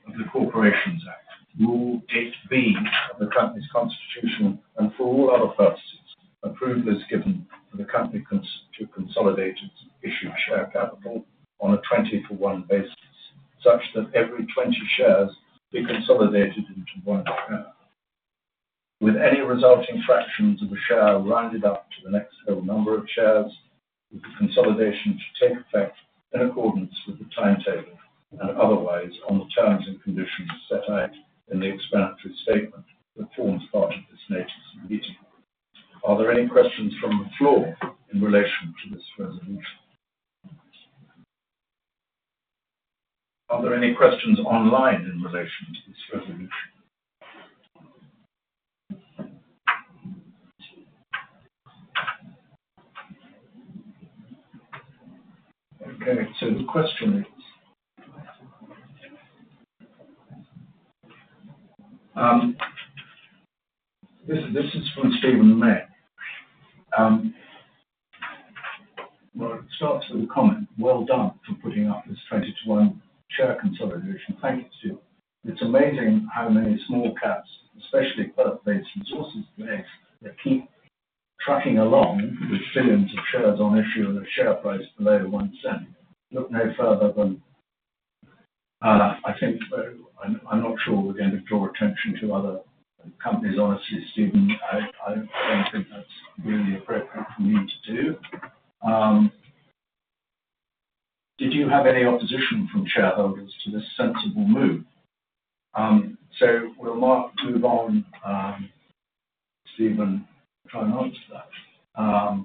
254H(1) of the Corporations Act, Rule 8B of the Company's Constitution, and for all other purposes, approval is given for the Company to consolidate its issued share capital on a 20-for-1 basis such that every 20 shares be consolidated into one share, with any resulting fractions of a share rounded up to the next whole number of shares, with the consolidation to take effect in accordance with the timetable and otherwise on the terms and conditions set out in the explanatory statement that forms part of this notice of meeting. Are there any questions from the floor in relation to this resolution? Are there any questions online in relation to this resolution? Okay, so the question is this is from Stephen Mayne. Well, it starts with a comment. Well done for putting up this 20-for-1 share consolidation. Thank you, Stephen. It's amazing how many small caps, especially resource-based, that keep tracking along with billions of shares on issue and a share price below one cent. Look no further than, I think. I'm not sure we're going to draw attention to other companies, honestly, Stephen. I don't think that's really appropriate for me to do. Did you have any opposition from shareholders to this sensible move? So we'll move on, Stephen. Try not to.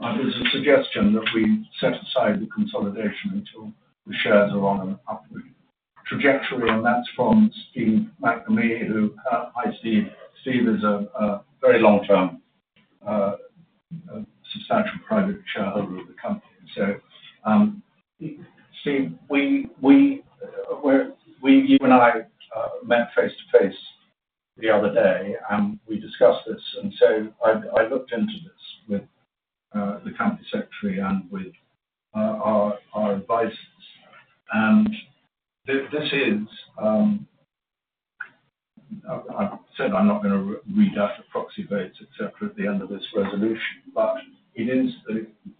There's a suggestion that we set aside the consolidation until the shares are on an upward trajectory, and that's from Stephen McNamee, who I see as a very long-term substantial private shareholder of the company. So, Steve, you and I met face-to-face the other day, and we discussed this. And so I looked into this with the Company Secretary and with our advisors. And this is, I've said I'm not going to read out the proxy votes, etc., at the end of this resolution, but it is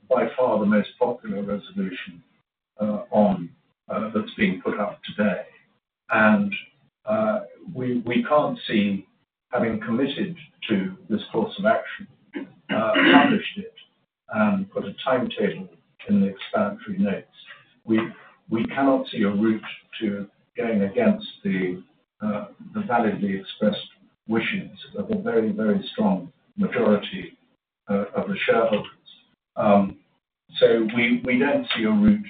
by far the most popular resolution that's being put up today. And we can't see, having committed to this course of action, published it and put a timetable in the explanatory notes, we cannot see a route to going against the validly expressed wishes of a very, very strong majority of the shareholders. So we don't see a route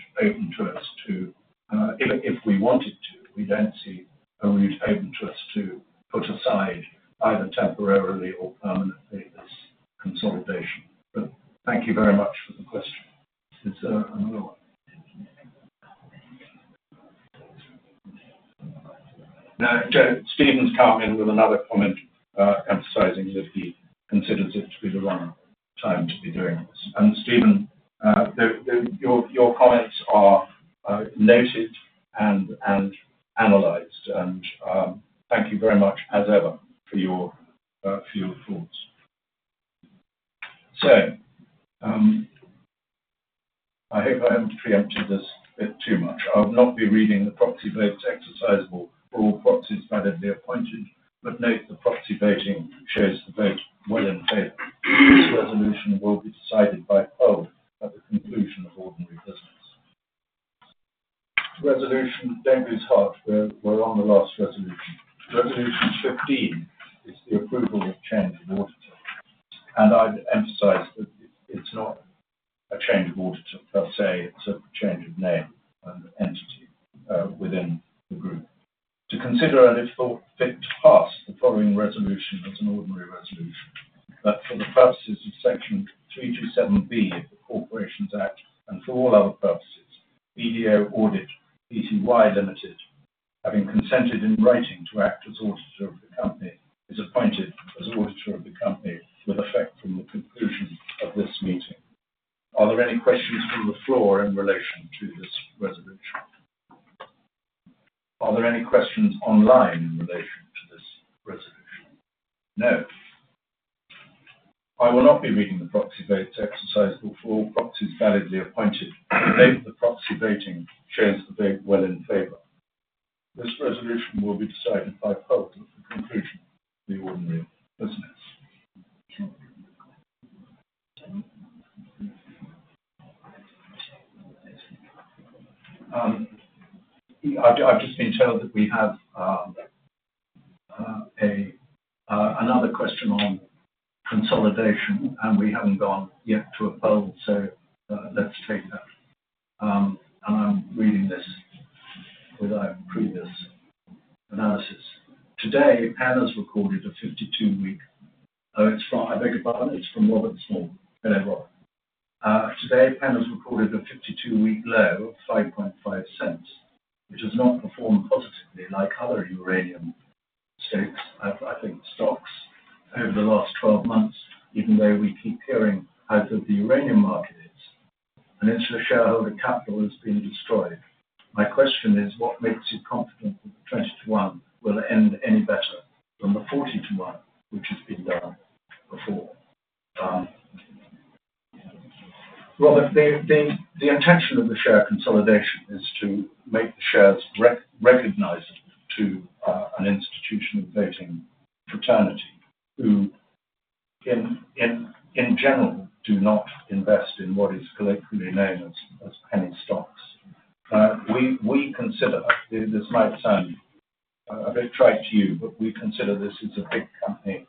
a bit trite to you, but we consider this as a big company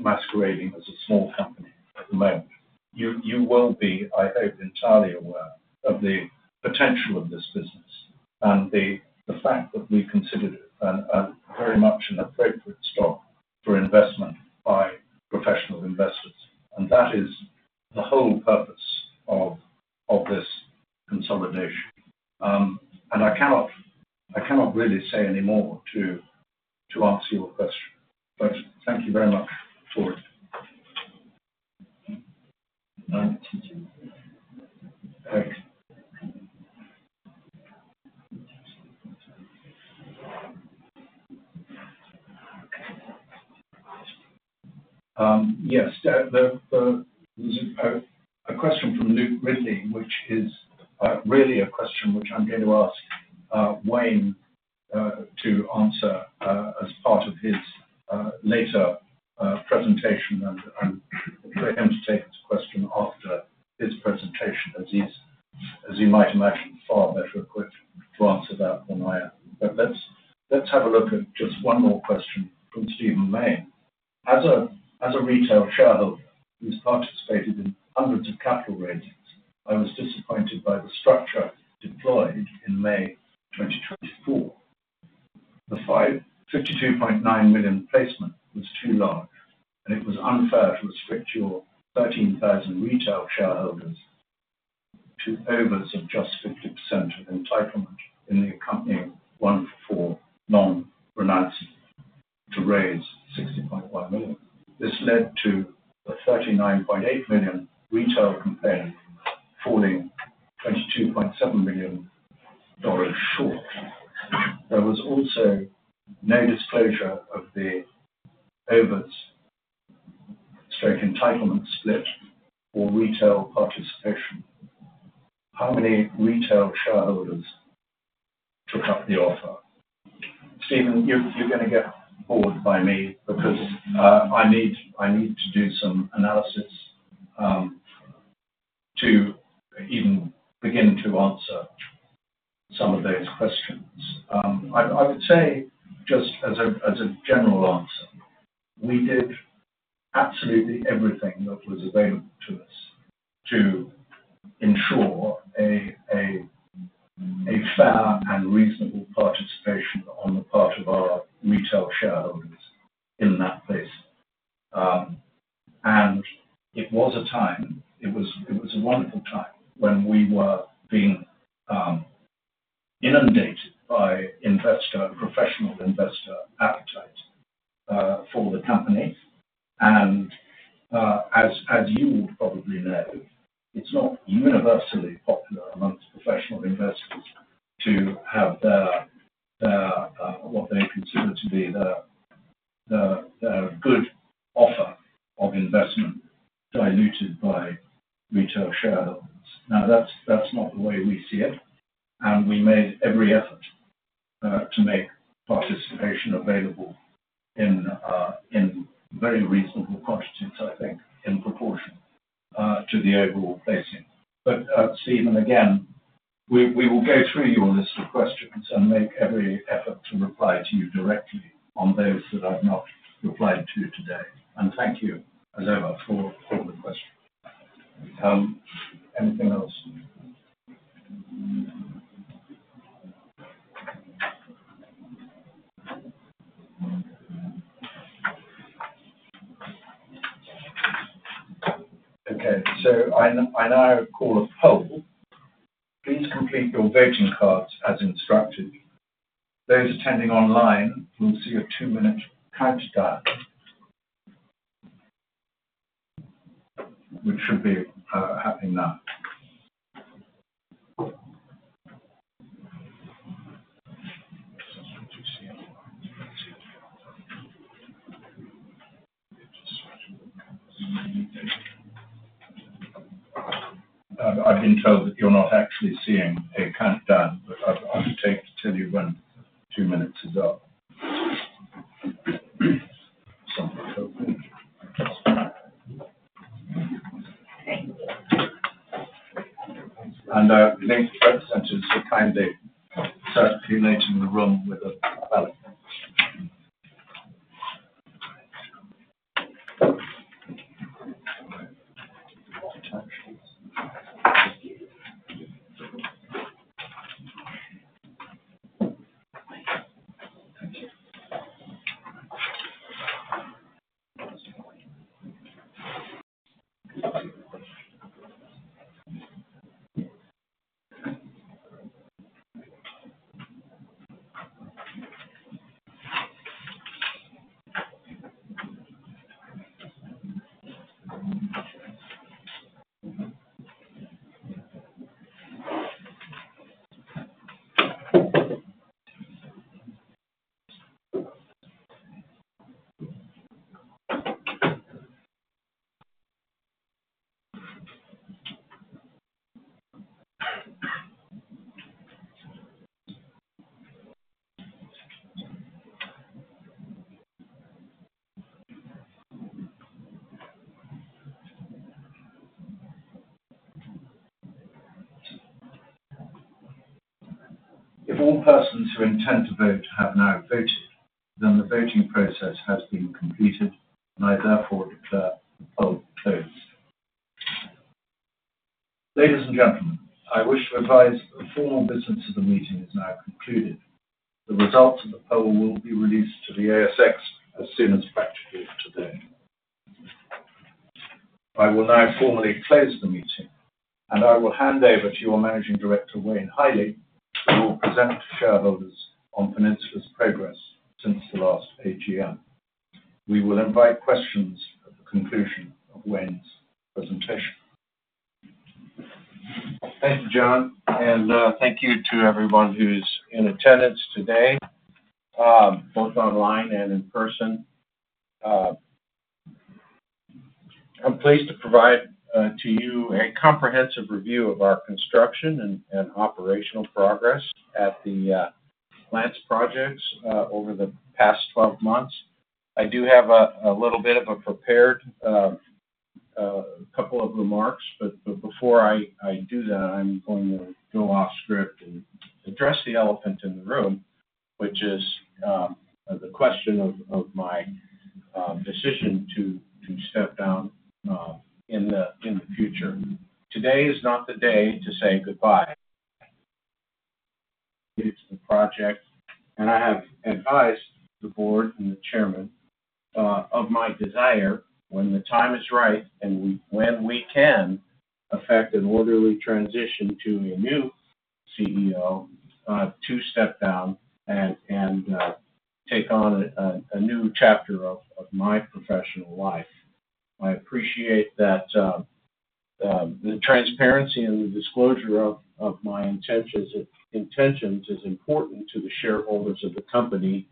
masquerading as a small company at the moment. You will be, I hope, entirely aware of the potential of this business and the fact that we consider it very much an appropriate stock for investment by professional investors. And that is the whole purpose of this consolidation. And I cannot really say any more to answer your question. But thank you very much for it. Thanks. Yes, there's a question from Luke Ridley, which is really a question which I'm going to ask Wayne to answer as part of his later presentation, and for him to take his question after his presentation, as he might imagine far better equipped to answer that than I am. But let's have a look at just one more question from Stephen Mayne. As a retail shareholder who's participated in hundreds of capital raisings, I was disappointed by the structure deployed in May 2024. The 52.9 million placement was too large, and it was unfair to restrict your 13,000 retail shareholders to oversubscription of just 50% of entitlement in the accompanying one-for-four non-renounceable to raise 60.1 million. This led to a 39.8 million retail campaign falling 22.7 million dollars short. There was also no disclosure of the oversubscription entitlement split or retail participation. How many retail shareholders took up the offer? Stephen, you're going to get bored by me because I need to do some analysis to even begin to answer some of those questions. I would say, just as a general answer, we did absolutely everything that was available to us to ensure a fair and reasonable participation on the part of our retail shareholders in that placement. And it was a time, it was a wonderful time when we were being inundated by investor and professional investor shareholders on Peninsula's progress since the last AGM. We will invite questions at the conclusion of Wayne's presentation. Thank you, John, and thank you to everyone who's in attendance today, both online and in person.
I'm pleased to provide to you a comprehensive review of our construction and operational progress at the Lance Projects over the past 12 months. I do have a little bit of a prepared couple of remarks, but before I do that, I'm going to go off script and address the elephant in the room, which is the question of my decision to step down in the future. Today is not the day to say goodbye. It's the project, and I have advised the board and the chairman of my desire, when the time is right and when we can, effect an orderly transition to a new CEO, to step down and take on a new chapter of my professional life. I appreciate that the transparency and the disclosure of my intentions is important to the shareholders of the company,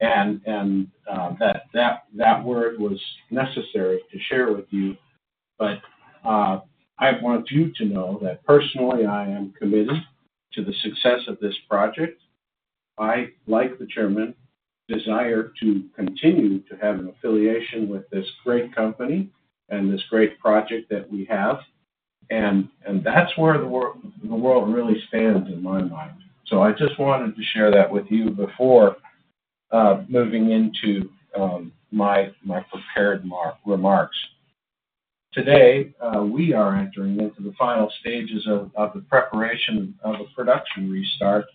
and that word was necessary to share with you. I want you to know that personally, I am committed to the success of this project. I, like the chairman, desire to continue to have an affiliation with this great company and this great project that we have. That's where the world really stands in my mind. I just wanted to share that with you before moving into my prepared remarks. Today, we are entering into the final stages of the preparation of a production restart.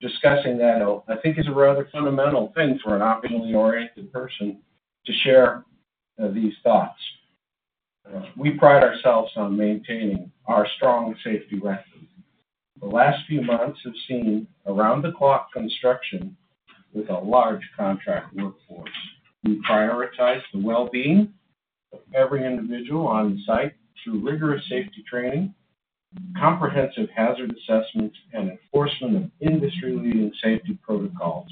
First, before discussing that, I think it's a rather fundamental thing for an operationally oriented person to share these thoughts. We pride ourselves on maintaining our strong safety record. The last few months have seen around-the-clock construction with a large contract workforce. We prioritize the well-being of every individual on site through rigorous safety training, comprehensive hazard assessments, and enforcement of industry-leading safety protocols.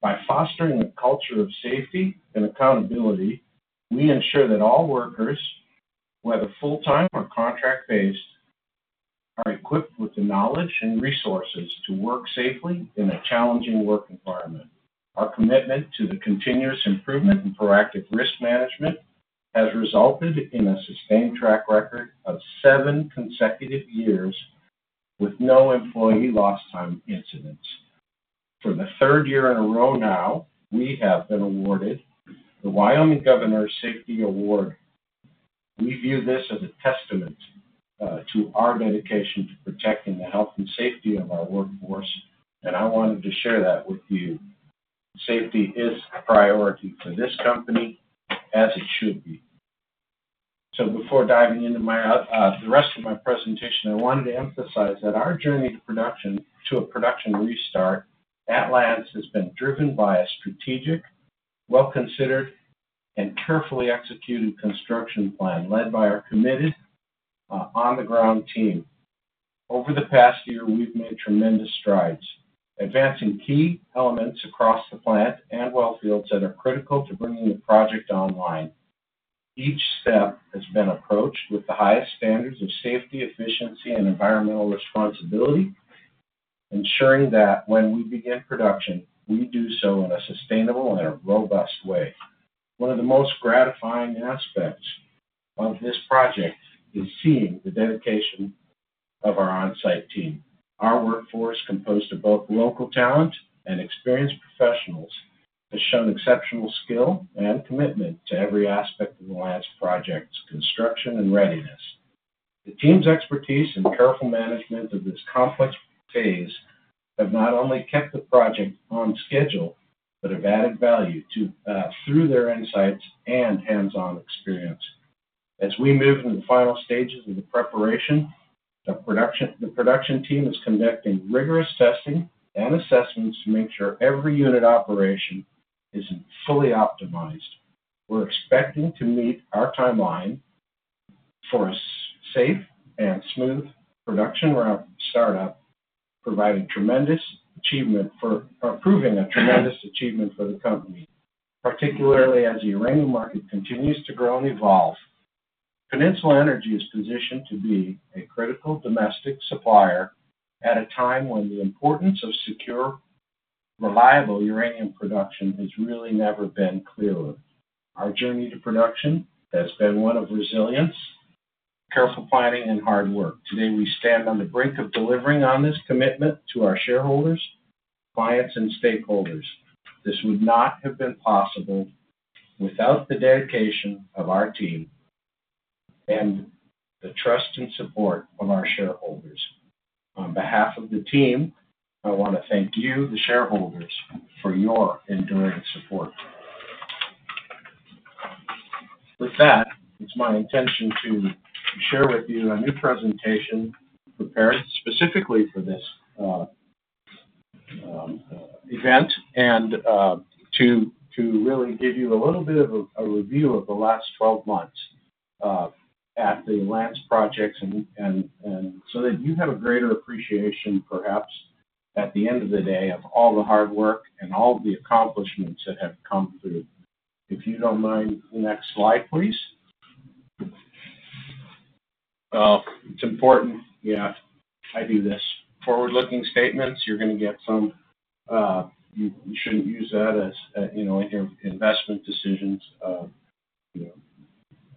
By fostering a culture of safety and accountability, we ensure that all workers, whether full-time or contract-based, are equipped with the knowledge and resources to work safely in a challenging work environment. Our commitment to the continuous improvement and proactive risk management has resulted in a sustained track record of seven consecutive years with no employee lost time incidents. For the third year in a row now, we have been awarded the Wyoming Governor's Safety Award. We view this as a testament to our dedication to protecting the health and safety of our workforce, and I wanted to share that with you. Safety is a priority for this company, as it should be. So before diving into the rest of my presentation, I wanted to emphasize that our journey to a production restart at Lance has been driven by a strategic, well-considered, and carefully executed construction plan led by our committed on-the-ground team. Over the past year, we've made tremendous strides, advancing key elements across the plant and wellfields that are critical to bringing the project online. Each step has been approached with the highest standards of safety, efficiency, and environmental responsibility, ensuring that when we begin production, we do so in a sustainable and a robust way. One of the most gratifying aspects of this project is seeing the dedication of our on-site team. Our workforce, composed of both local talent and experienced professionals, has shown exceptional skill and commitment to every aspect of the Lance Project's construction and readiness. The team's expertise and careful management of this complex phase have not only kept the project on schedule but have added value through their insights and hands-on experience. As we move into the final stages of the preparation, the production team is conducting rigorous testing and assessments to make sure every unit operation is fully optimized. We're expecting to meet our timeline for a safe and smooth production startup, providing tremendous achievement for the company, particularly as the uranium market continues to grow and evolve. Peninsula Energy is positioned to be a critical domestic supplier at a time when the importance of secure, reliable uranium production has really never been clearer. Our journey to production has been one of resilience, careful planning, and hard work. Today, we stand on the brink of delivering on this commitment to our shareholders, clients, and stakeholders. This would not have been possible without the dedication of our team and the trust and support of our shareholders. On behalf of the team, I want to thank you, the shareholders, for your enduring support. With that, it's my intention to share with you a new presentation prepared specifically for this event and to really give you a little bit of a review of the last 12 months at the Lance Projects so that you have a greater appreciation, perhaps at the end of the day, of all the hard work and all the accomplishments that have come through. If you don't mind, the next slide, please. It's important. Yeah, I do this. Forward-looking statements, you're going to get some. You shouldn't use that in your investment decisions.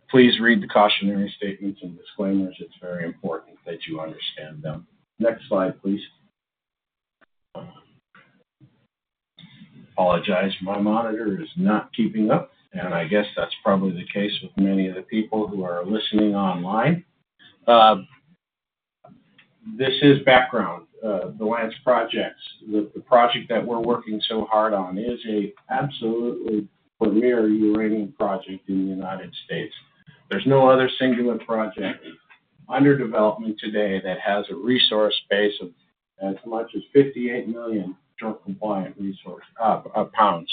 Please read the cautionary statements and disclaimers. It's very important that you understand them. Next slide, please. Apologies. My monitor is not keeping up, and I guess that's probably the case with many of the people who are listening online. This is background. The Lance Projects, the project that we're working so hard on, is an absolutely premier uranium project in the United States. There's no other singular project under development today that has a resource base of as much as 58 million pounds.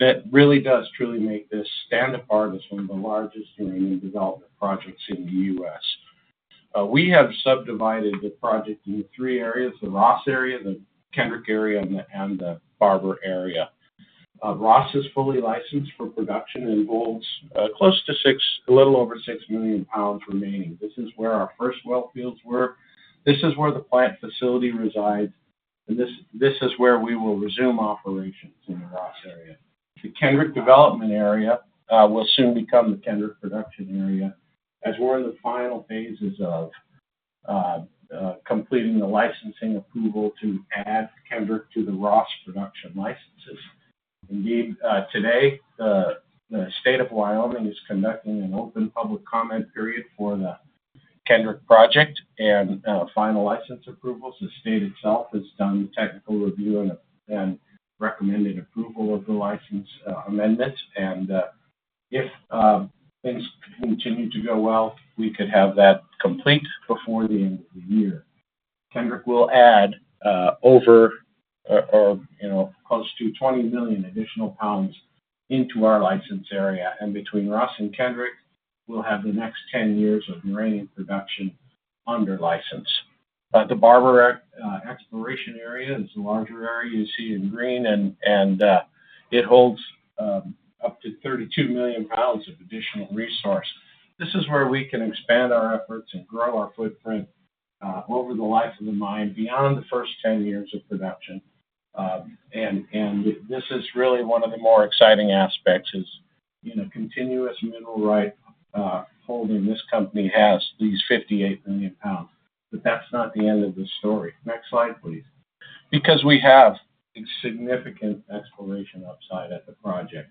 That really does truly make this stand apart as one of the largest uranium development projects in the U.S. We have subdivided the project into three areas: the Ross Area, the Kendrick Area, and the Barber Area. Ross is fully licensed for production and holds close to a little over six million pounds remaining. This is where our first wellfields were. This is where the plant facility resides, and this is where we will resume operations in the Ross Area. The Kendrick development area will soon become the Kendrick production area as we're in the final phases of completing the licensing approval to add Kendrick to the Ross production licenses. Indeed, today, the state of Wyoming is conducting an open public comment period for the Kendrick project and final license approvals. The state itself has done the technical review and recommended approval of the license amendments, and if things continue to go well, we could have that complete before the end of the year. Kendrick will add over or close to 20 million additional pounds into our license area, and between Ross and Kendrick, we'll have the next 10 years of uranium production under license. The Barber Exploration Area is the larger area you see in green, and it holds up to 32 million pounds of additional resource. This is where we can expand our efforts and grow our footprint over the life of the mine beyond the first 10 years of production. And this is really one of the more exciting aspects: continuous mineral right holding. This company has these 58 million pounds, but that's not the end of the story. Next slide, please. Because we have significant exploration upside at the project.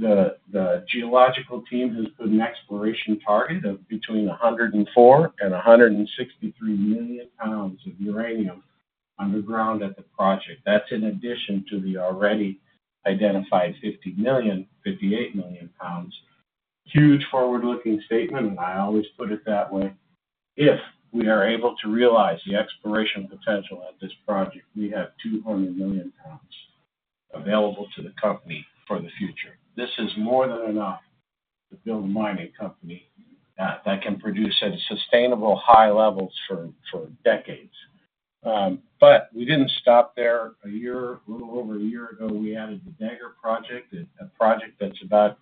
The geological team has put an exploration target of between 104 and 163 million pounds of Uranium underground at the project. That's in addition to the already identified 58 million pounds. Huge forward-looking statement, and I always put it that way. If we are able to realize the exploration potential at this project, we have 200 million pounds available to the company for the future. This is more than enough to build a mining company that can produce at sustainable high levels for decades. But we didn't stop there. A little over a year ago, we added the Dagger Project, a project that's about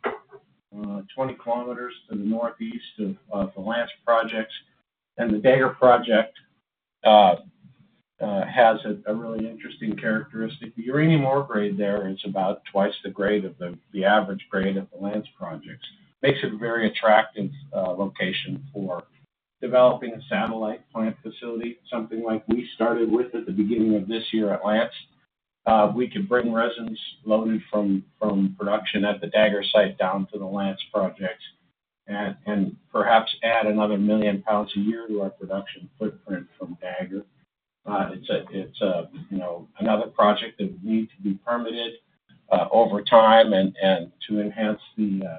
20 kilometers to the northeast of the Lance Projects. And the Dagger Project has a really interesting characteristic. The uranium ore grade there is about twice the grade of the average grade at the Lance Projects. Makes it a very attractive location for developing a satellite plant facility, something like we started with at the beginning of this year at Lance. We could bring resins loaded from production at the Dagger site down to the Lance Projects and perhaps add another million pounds a year to our production footprint from Dagger. It's another project that would need to be permitted over time and to enhance the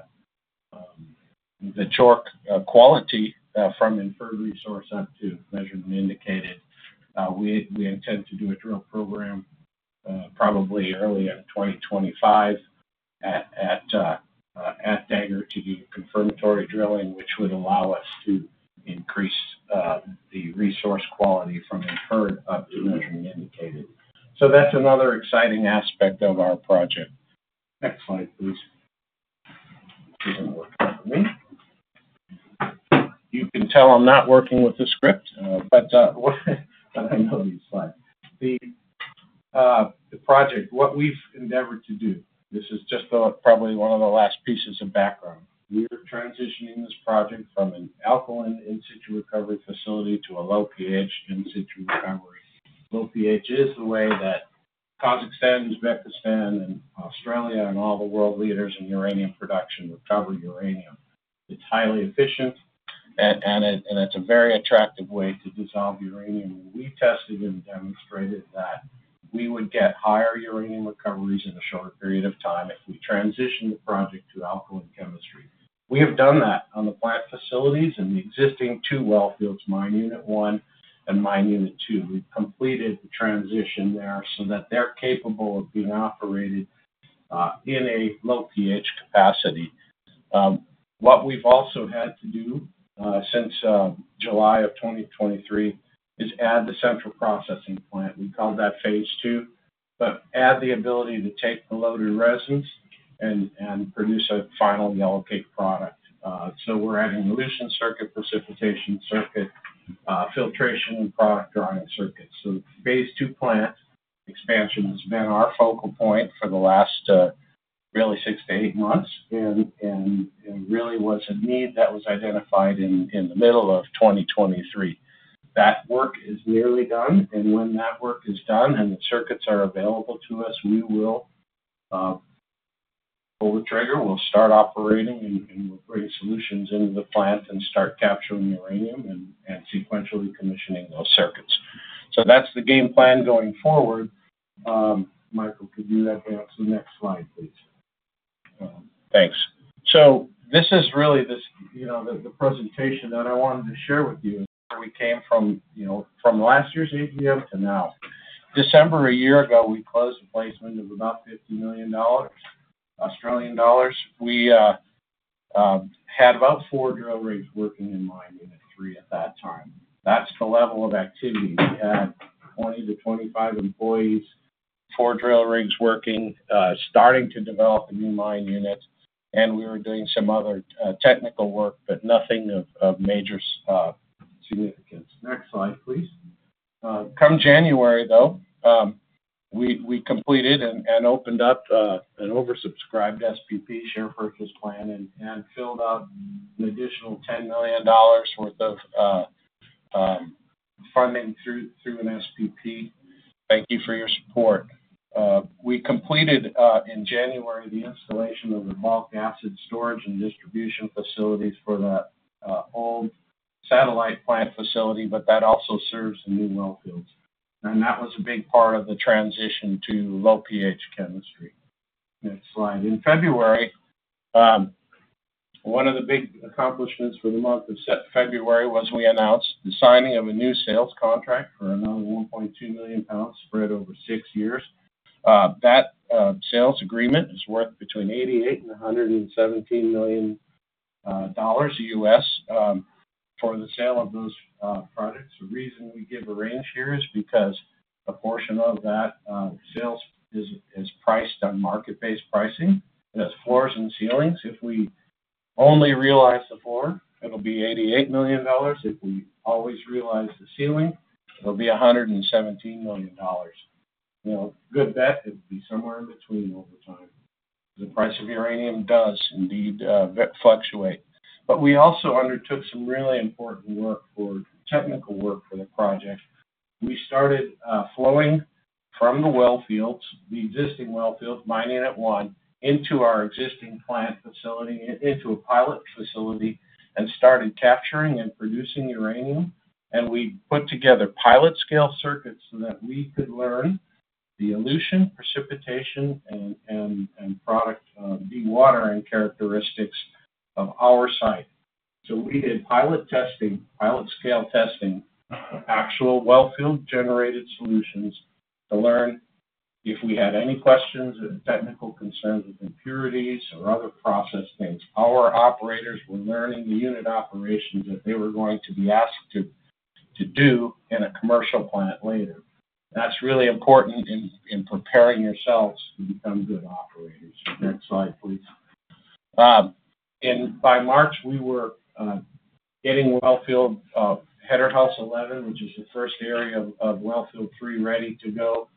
JORC quality from inferred resource up to measured and indicated. We intend to do a drill program probably early in 2025 at Dagger to do confirmatory drilling, which would allow us to increase the resource quality from inferred up to measured and indicated. So that's another exciting aspect of our project. Next slide, please. It isn't working for me. You can tell I'm not working with the script, but I know these slides. The project, what we've endeavored to do. This is just probably one of the last pieces of background. We're transitioning this project from an alkaline in-situ recovery facility to a low pH in-situ recovery. Low pH is the way that Kazakhstan, Uzbekistan, and Australia and all the world leaders in uranium production recover uranium. It's highly efficient, and it's a very attractive way to dissolve uranium. We tested and demonstrated that we would get higher uranium recoveries in a short period of time if we transitioned the project to alkaline chemistry. We have done that on the plant facilities and the existing two wellfields, Mine Unit 1 and Mine Unit 2. We've completed the transition there so that they're capable of being operated in a low pH capacity. What we've also had to do since July of 2023 is add the central processing plant. We called that phase two, but add the ability to take the loaded resins and produce a final yellowcake product. So we're adding dilution circuit, precipitation circuit, filtration, and product drying circuits. So phase two plant expansion has been our focal point for the last really six-to-eight months and really was a need that was identified in the middle of 2023. That work is nearly done, and when that work is done and the circuits are available to us, we will pull the trigger. We'll start operating, and we'll bring solutions into the plant and start capturing uranium and sequentially commissioning those circuits. So that's the game plan going forward. Michael, could you advance the next slide, please? Thanks. So this is really the presentation that I wanted to share with you as we came from last year's AGM to now. December a year ago, we closed the placement of about 50 million Australian dollars. We had about four drill rigs working in Mine Unit 3 at that time. That's the level of activity. We had 20-25 employees, four drill rigs working, starting to develop a new mine unit, and we were doing some other technical work, but nothing of major significance. Next slide, please. Come January, though, we completed and opened up an oversubscribed SPP share purchase plan and filled out an additional 10 million dollars worth of funding through an SPP. Thank you for your support. We completed in January the installation of the bulk acid storage and distribution facilities for that old satellite plant facility, but that also serves the new wellfields. And that was a big part of the transition to low pH chemistry. Next slide. In February, one of the big accomplishments for the month of February was we announced the signing of a new sales contract for another 1.2 million pounds spread over six years. That sales agreement is worth between $88 million and $117 million for the sale of those products. The reason we give a range here is because a portion of that sales is priced on market-based pricing. As for floors and ceilings, if we only realize the floor, it'll be $88 million. If we always realize the ceiling, it'll be $117 million. Good bet it'll be somewhere in between over time. The price of uranium does indeed fluctuate. We also undertook some really important technical work for the project. We started flowing from the wellfields, the existing wellfields, mining at one, into our existing plant facility, into a pilot facility, and started capturing and producing uranium. We put together pilot-scale circuits so that we could learn the elution, precipitation, and the water and characteristics of our site. We did pilot testing, pilot-scale testing, actual wellfield generated solutions to learn if we had any questions or technical concerns with impurities or other process things. Our operators were learning the unit operations that they were going to be asked to do in a commercial plant later. That's really important in preparing yourselves to become good operators. Next slide, please. By March, we were getting wellfield Header House 11, which is the first area of wellfield three ready to go.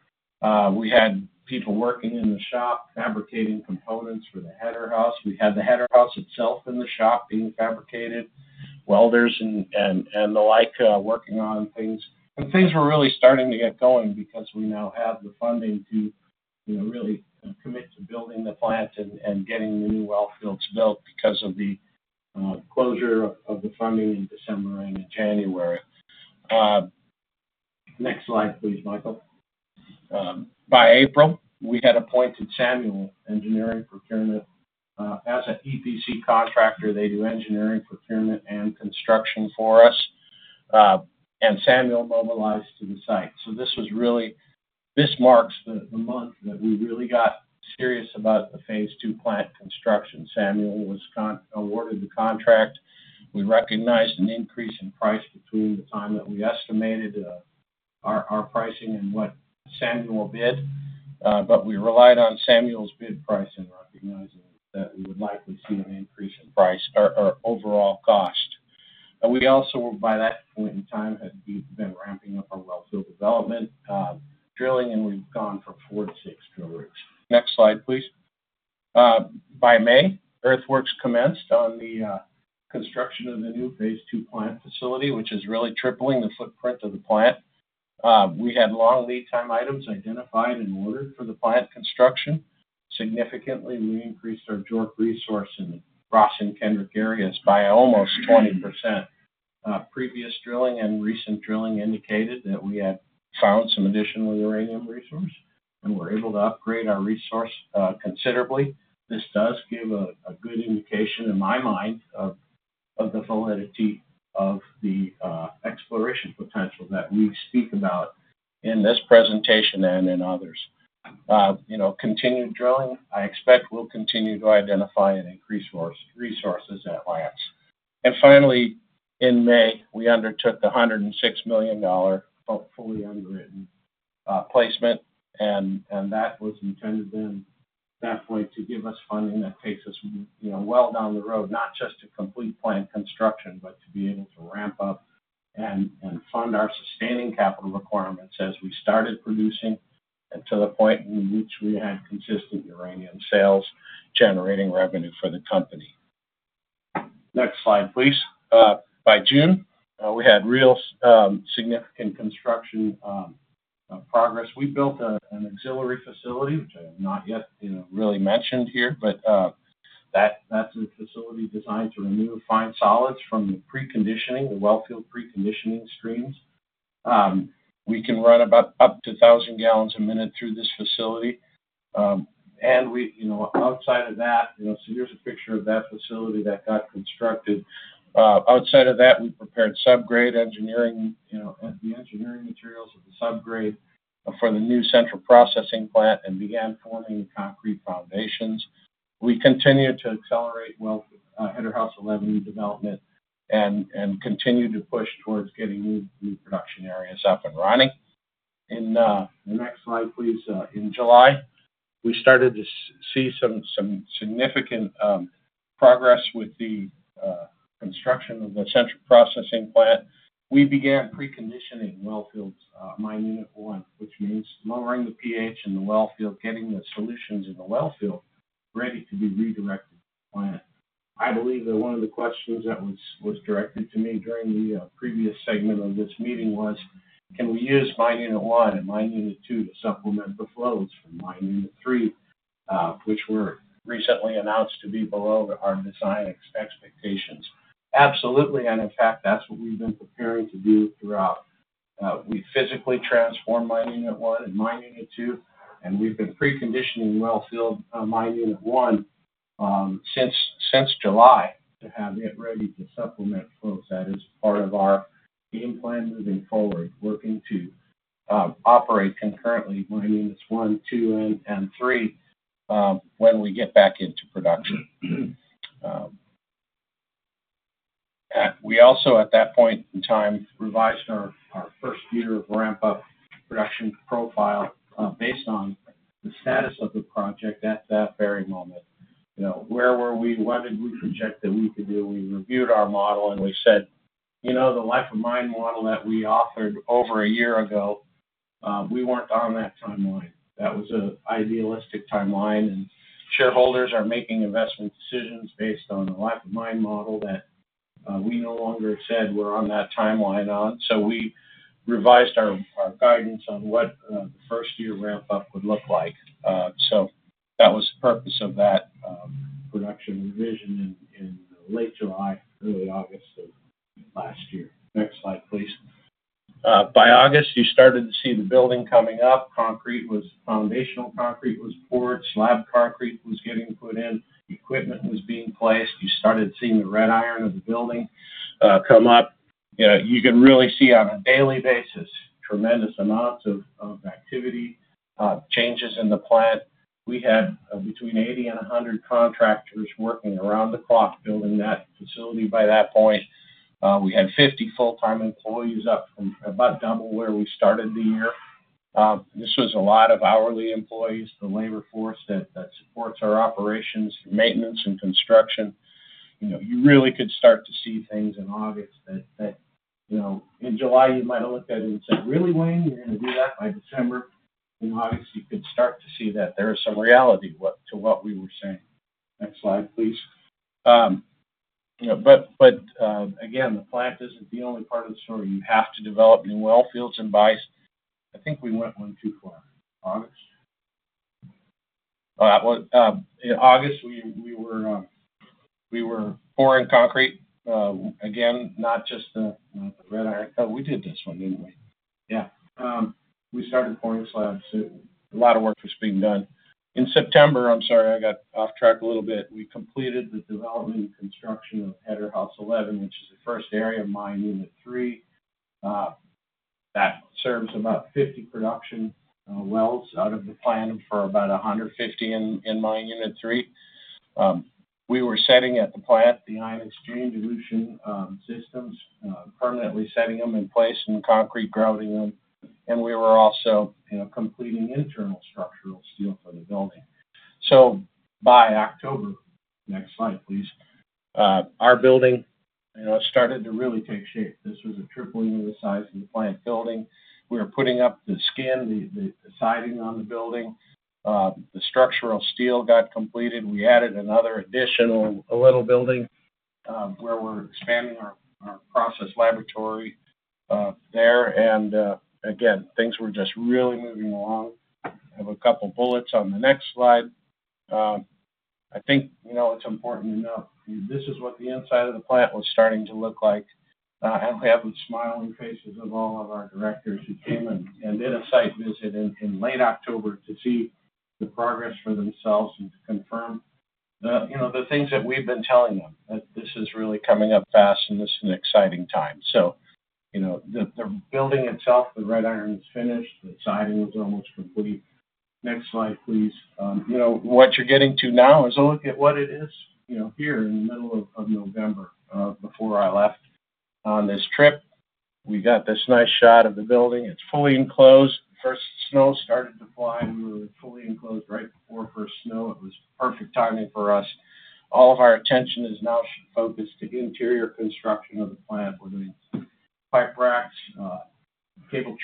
We had people working in the shop fabricating components for the Header House. We had the Header House itself in the shop being fabricated, welders and the like working on things. Things were really starting to get going because we now have the funding to really commit to building the plant and getting the new wellfields built because of the closure of the funding in December and in January. Next slide, please, Michael. By April, we had appointed Samuel Engineering as an EPC contractor. They do engineering procurement and construction for us, and Samuel mobilised to the site, so this marks the month that we really got serious about the phase two plant construction. Samuel was awarded the contract. We recognised an increase in price between the time that we estimated our pricing and what Samuel bid, but we relied on Samuel's bid pricing, recognising that we would likely see an increase in price or overall cost. We also, by that point in time, had been ramping up our wellfield development drilling, and we've gone from four to six drill rigs. Next slide, please. By May, earthworks commenced on the construction of the new phase two plant facility, which is really tripling the footprint of the plant. We had long lead time items identified and ordered for the plant construction. Significantly, we increased our JORC resource in the Ross and Kendrick areas by almost 20%. Previous drilling and recent drilling indicated that we had found some additional uranium resource and were able to upgrade our resource considerably. This does give a good indication in my mind of the validity of the exploration potential that we speak about in this presentation and in others. Continued drilling, I expect, will continue to identify and increase resources at Lance. And finally, in May, we undertook the $106 million fully underwritten placement, and that was intended then that way to give us funding that takes us well down the road, not just to complete plant construction, but to be able to ramp up and fund our sustaining capital requirements as we started producing to the point in which we had consistent uranium sales generating revenue for the company. Next slide, please. By June, we had real significant construction progress. We built an auxiliary facility, which I have not yet really mentioned here, but that's a facility designed to remove fine solids from the preconditioning, the wellfield preconditioning streams. We can run about up to 1,000 gallons a minute through this facility. And outside of that, so here's a picture of that facility that got constructed. Outside of that, we prepared subgrade engineering and the engineering materials of the subgrade for the new central processing plant and began forming concrete foundations. We continued to accelerate Header House 11 development and continue to push towards getting new production areas up and running. In the next slide, please. In July, we started to see some significant progress with the construction of the central processing plant. We began preconditioning wellfields, mine unit one, which means lowering the pH in the wellfield, getting the solutions in the wellfield ready to be redirected to the plant. I believe that one of the questions that was directed to me during the previous segment of this meeting was, "Can we use mine unit one and mine unit two to supplement the flows from mine unit three, which were recently announced to be below our design expectations?" Absolutely. And in fact, that's what we've been preparing to do throughout. We physically transformed mine unit one and mine unit two, and we've been preconditioning wellfield mine unit one since July to have it ready to supplement flows. That is part of our game plan moving forward, working to operate concurrently mine units one, two, and three when we get back into production. We also, at that point in time, revised our first year of ramp-up production profile based on the status of the project at that very moment. Where were we? What did we project that we could do? We reviewed our model, and we said, "The life of mine model that we offered over a year ago, we weren't on that timeline." That was an idealistic timeline, and shareholders are making investment decisions based on the life of mine model that we no longer said we're on that timeline on. So we revised our guidance on what the first year ramp-up would look like. So that was the purpose of that production revision in late July, early August of last year. Next slide, please. By August, you started to see the building coming up. Concrete was foundational. Concrete was poured. Slab concrete was getting put in. Equipment was being placed. You started seeing the red iron of the building come up. You can really see on a daily basis, tremendous amounts of activity, changes in the plant. We had between 80 and 100 contractors working around the clock building that facility by that point. We had 50 full-time employees up from about double where we started the year. This was a lot of hourly employees, the labor force that supports our operations, maintenance, and construction. You really could start to see things in August that in July, you might have looked at it and said, "Really, Wayne? You're going to do that by December?" In August, you could start to see that there is some reality to what we were saying. Next slide, please. But again, the plant isn't the only part of the story. You have to develop new wellfields and buys. I think we went one too far. August. In August, we were pouring concrete. Again, not just the rebar. Oh, we did this one, didn't we? Yeah. We started pouring slabs. A lot of work was being done. In September, I'm sorry, I got off track a little bit. We completed the development and construction of Header House 11, which is the first area of mine unit three. That serves about 50 production wells out of the plant for about 150 in mine unit three. We were setting at the plant the ion exchange elution systems, permanently setting them in place and concrete grouting them. And we were also completing internal structural steel for the building. So by October, next slide, please, our building started to really take shape. This was a tripling of the size of the plant building. We were putting up the skin, the siding on the building. The structural steel got completed. We added another additional little building where we're expanding our process laboratory there, and again, things were just really moving along. I have a couple of bullets on the next slide. I think it's important to note this is what the inside of the plant was starting to look like. I have the smiling faces of all of our directors who came and did a site visit in late October to see the progress for themselves and to confirm the things that we've been telling them, that this is really coming up fast and this is an exciting time, so the building itself, the red iron is finished. The siding was almost complete. Next slide, please. What you're getting to now is a look at what it is here in the middle of November before I left on this trip. We got this nice shot of the building. It's fully enclosed. First snow started to fly. We were fully enclosed right before first snow. It was perfect timing for us. All of our attention is now focused to interior construction of the plant. We're doing pipe racks, cable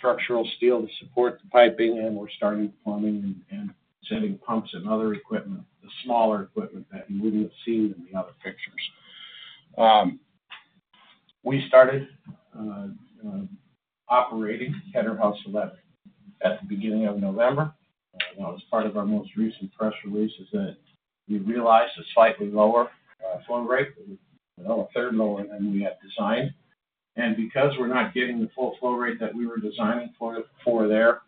trays, structural steel to support the piping, and we're starting plumbing and setting pumps and other equipment, the smaller equipment that you wouldn't have seen in the other pictures. We started operating Header House 11 at the beginning of November. That was part of our most recent press release is that we realized a slightly lower flow rate, a third lower than we had designed. Because we're not getting the full flow rate that we were designing for there,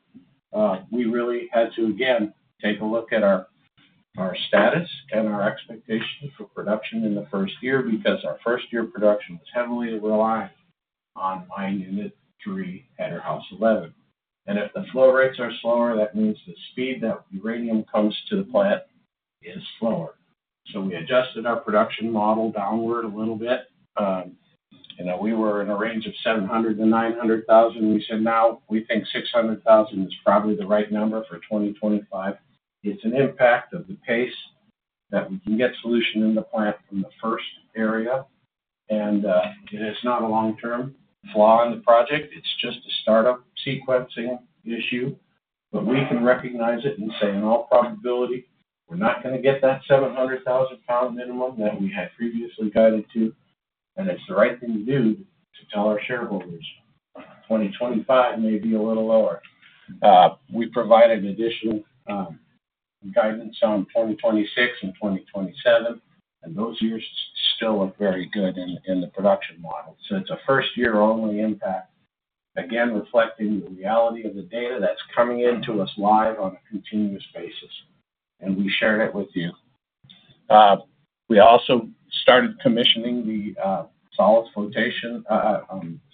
we really had to, again, take a look at our status and our expectations for production in the first year because our first year production was heavily reliant on mine unit three, Header House 11. If the flow rates are slower, that means the speed that uranium comes to the plant is slower. We adjusted our production model downward a little bit. We were in a range of 700,000-900,000. We said, "Now, we think 600,000 is probably the right number for 2025." It's an impact of the pace that we can get solution in the plant from the first area. It is not a long-term flaw in the project. It's just a startup sequencing issue. But we can recognize it and say, "In all probability, we're not going to get that 700,000 pound minimum that we had previously guided to." And it's the right thing to do to tell our shareholders, "2025 may be a little lower." We provided additional guidance on 2026 and 2027, and those years still look very good in the production model. So it's a first-year-only impact, again, reflecting the reality of the data that's coming into us live on a continuous basis. And we shared it with you. We also started commissioning the solids flotation,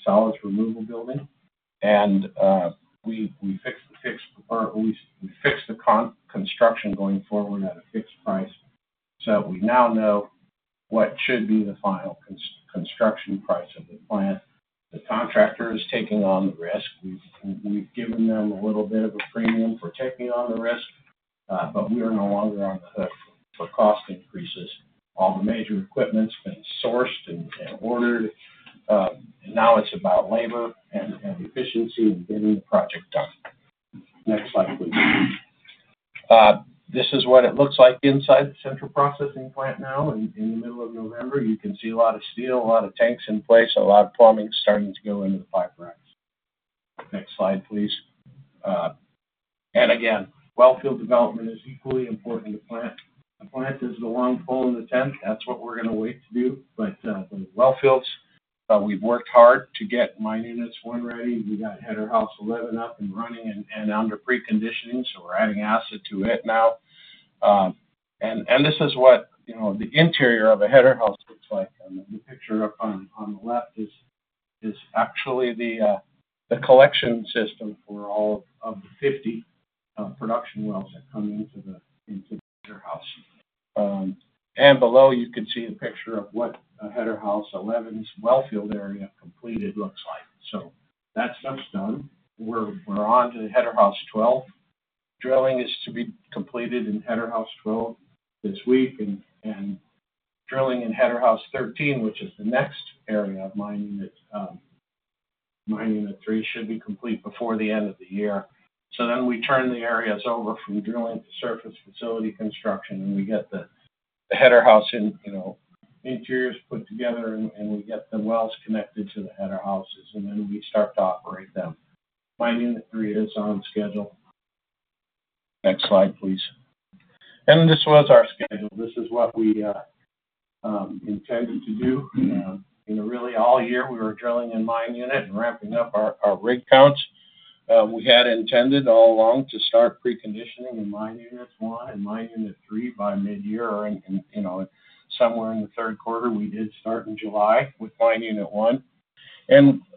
solids removal building. And we fixed the construction going forward at a fixed price so that we now know what should be the final construction price of the plant. The contractor is taking on the risk. We've given them a little bit of a premium for taking on the risk, but we are no longer on the hook for cost increases. All the major equipment's been sourced and ordered. Now it's about labor and efficiency and getting the project done. Next slide, please. This is what it looks like inside the central processing plant now in the middle of November. You can see a lot of steel, a lot of tanks in place, a lot of plumbing starting to go into the pipe racks. Next slide, please. And again, wellfield development is equally important to the plant. The plant is the long pole in the tent. That's what we're going to wait to do. But the wellfields, we've worked hard to get mine units one ready. We got Header House 11 up and running and under preconditioning, so we're adding acid to it now. And this is what the interior of a Header House looks like. The picture up on the left is actually the collection system for all of the 50 production wells that come into the Header House. And below, you can see a picture of what Header House 11's wellfield area completed looks like. So that stuff's done. We're on to Header House 12. Drilling is to be completed in Header House 12 this week. And drilling in Header House 13, which is the next area of mine unit three should be complete before the end of the year. So then we turn the areas over from drilling to surface facility construction, and we get the Header House interiors put together, and we get the wells connected to the Header Houses, and then we start to operate them. Mine unit three is on schedule. Next slide, please. This was our schedule. This is what we intended to do. Really, all year, we were drilling in mine unit and ramping up our rig counts. We had intended all along to start preconditioning in mine unit one and mine unit three by mid-year or somewhere in the third quarter. We did start in July with mine unit one.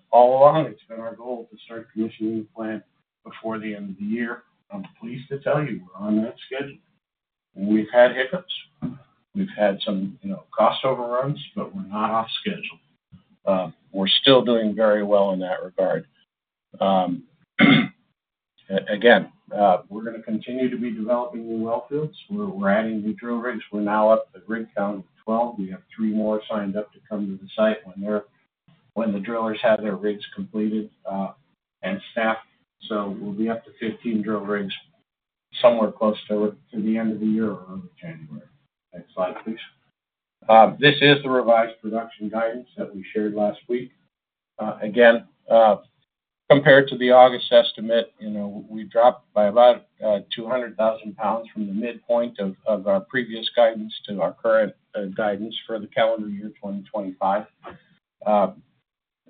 All along, it's been our goal to start commissioning the plant before the end of the year. I'm pleased to tell you we're on that schedule. We've had hiccups. We've had some cost overruns, but we're not off schedule. We're still doing very well in that regard. Again, we're going to continue to be developing new wellfields. We're adding new drill rigs. We're now up to the rig count of 12. We have three more signed up to come to the site when the drillers have their rigs completed and staffed. So we'll be up to 15 drill rigs somewhere close to the end of the year or early January. Next slide, please. This is the revised production guidance that we shared last week. Again, compared to the August estimate, we dropped by about 200,000 lbs from the midpoint of our previous guidance to our current guidance for the calendar year 2025.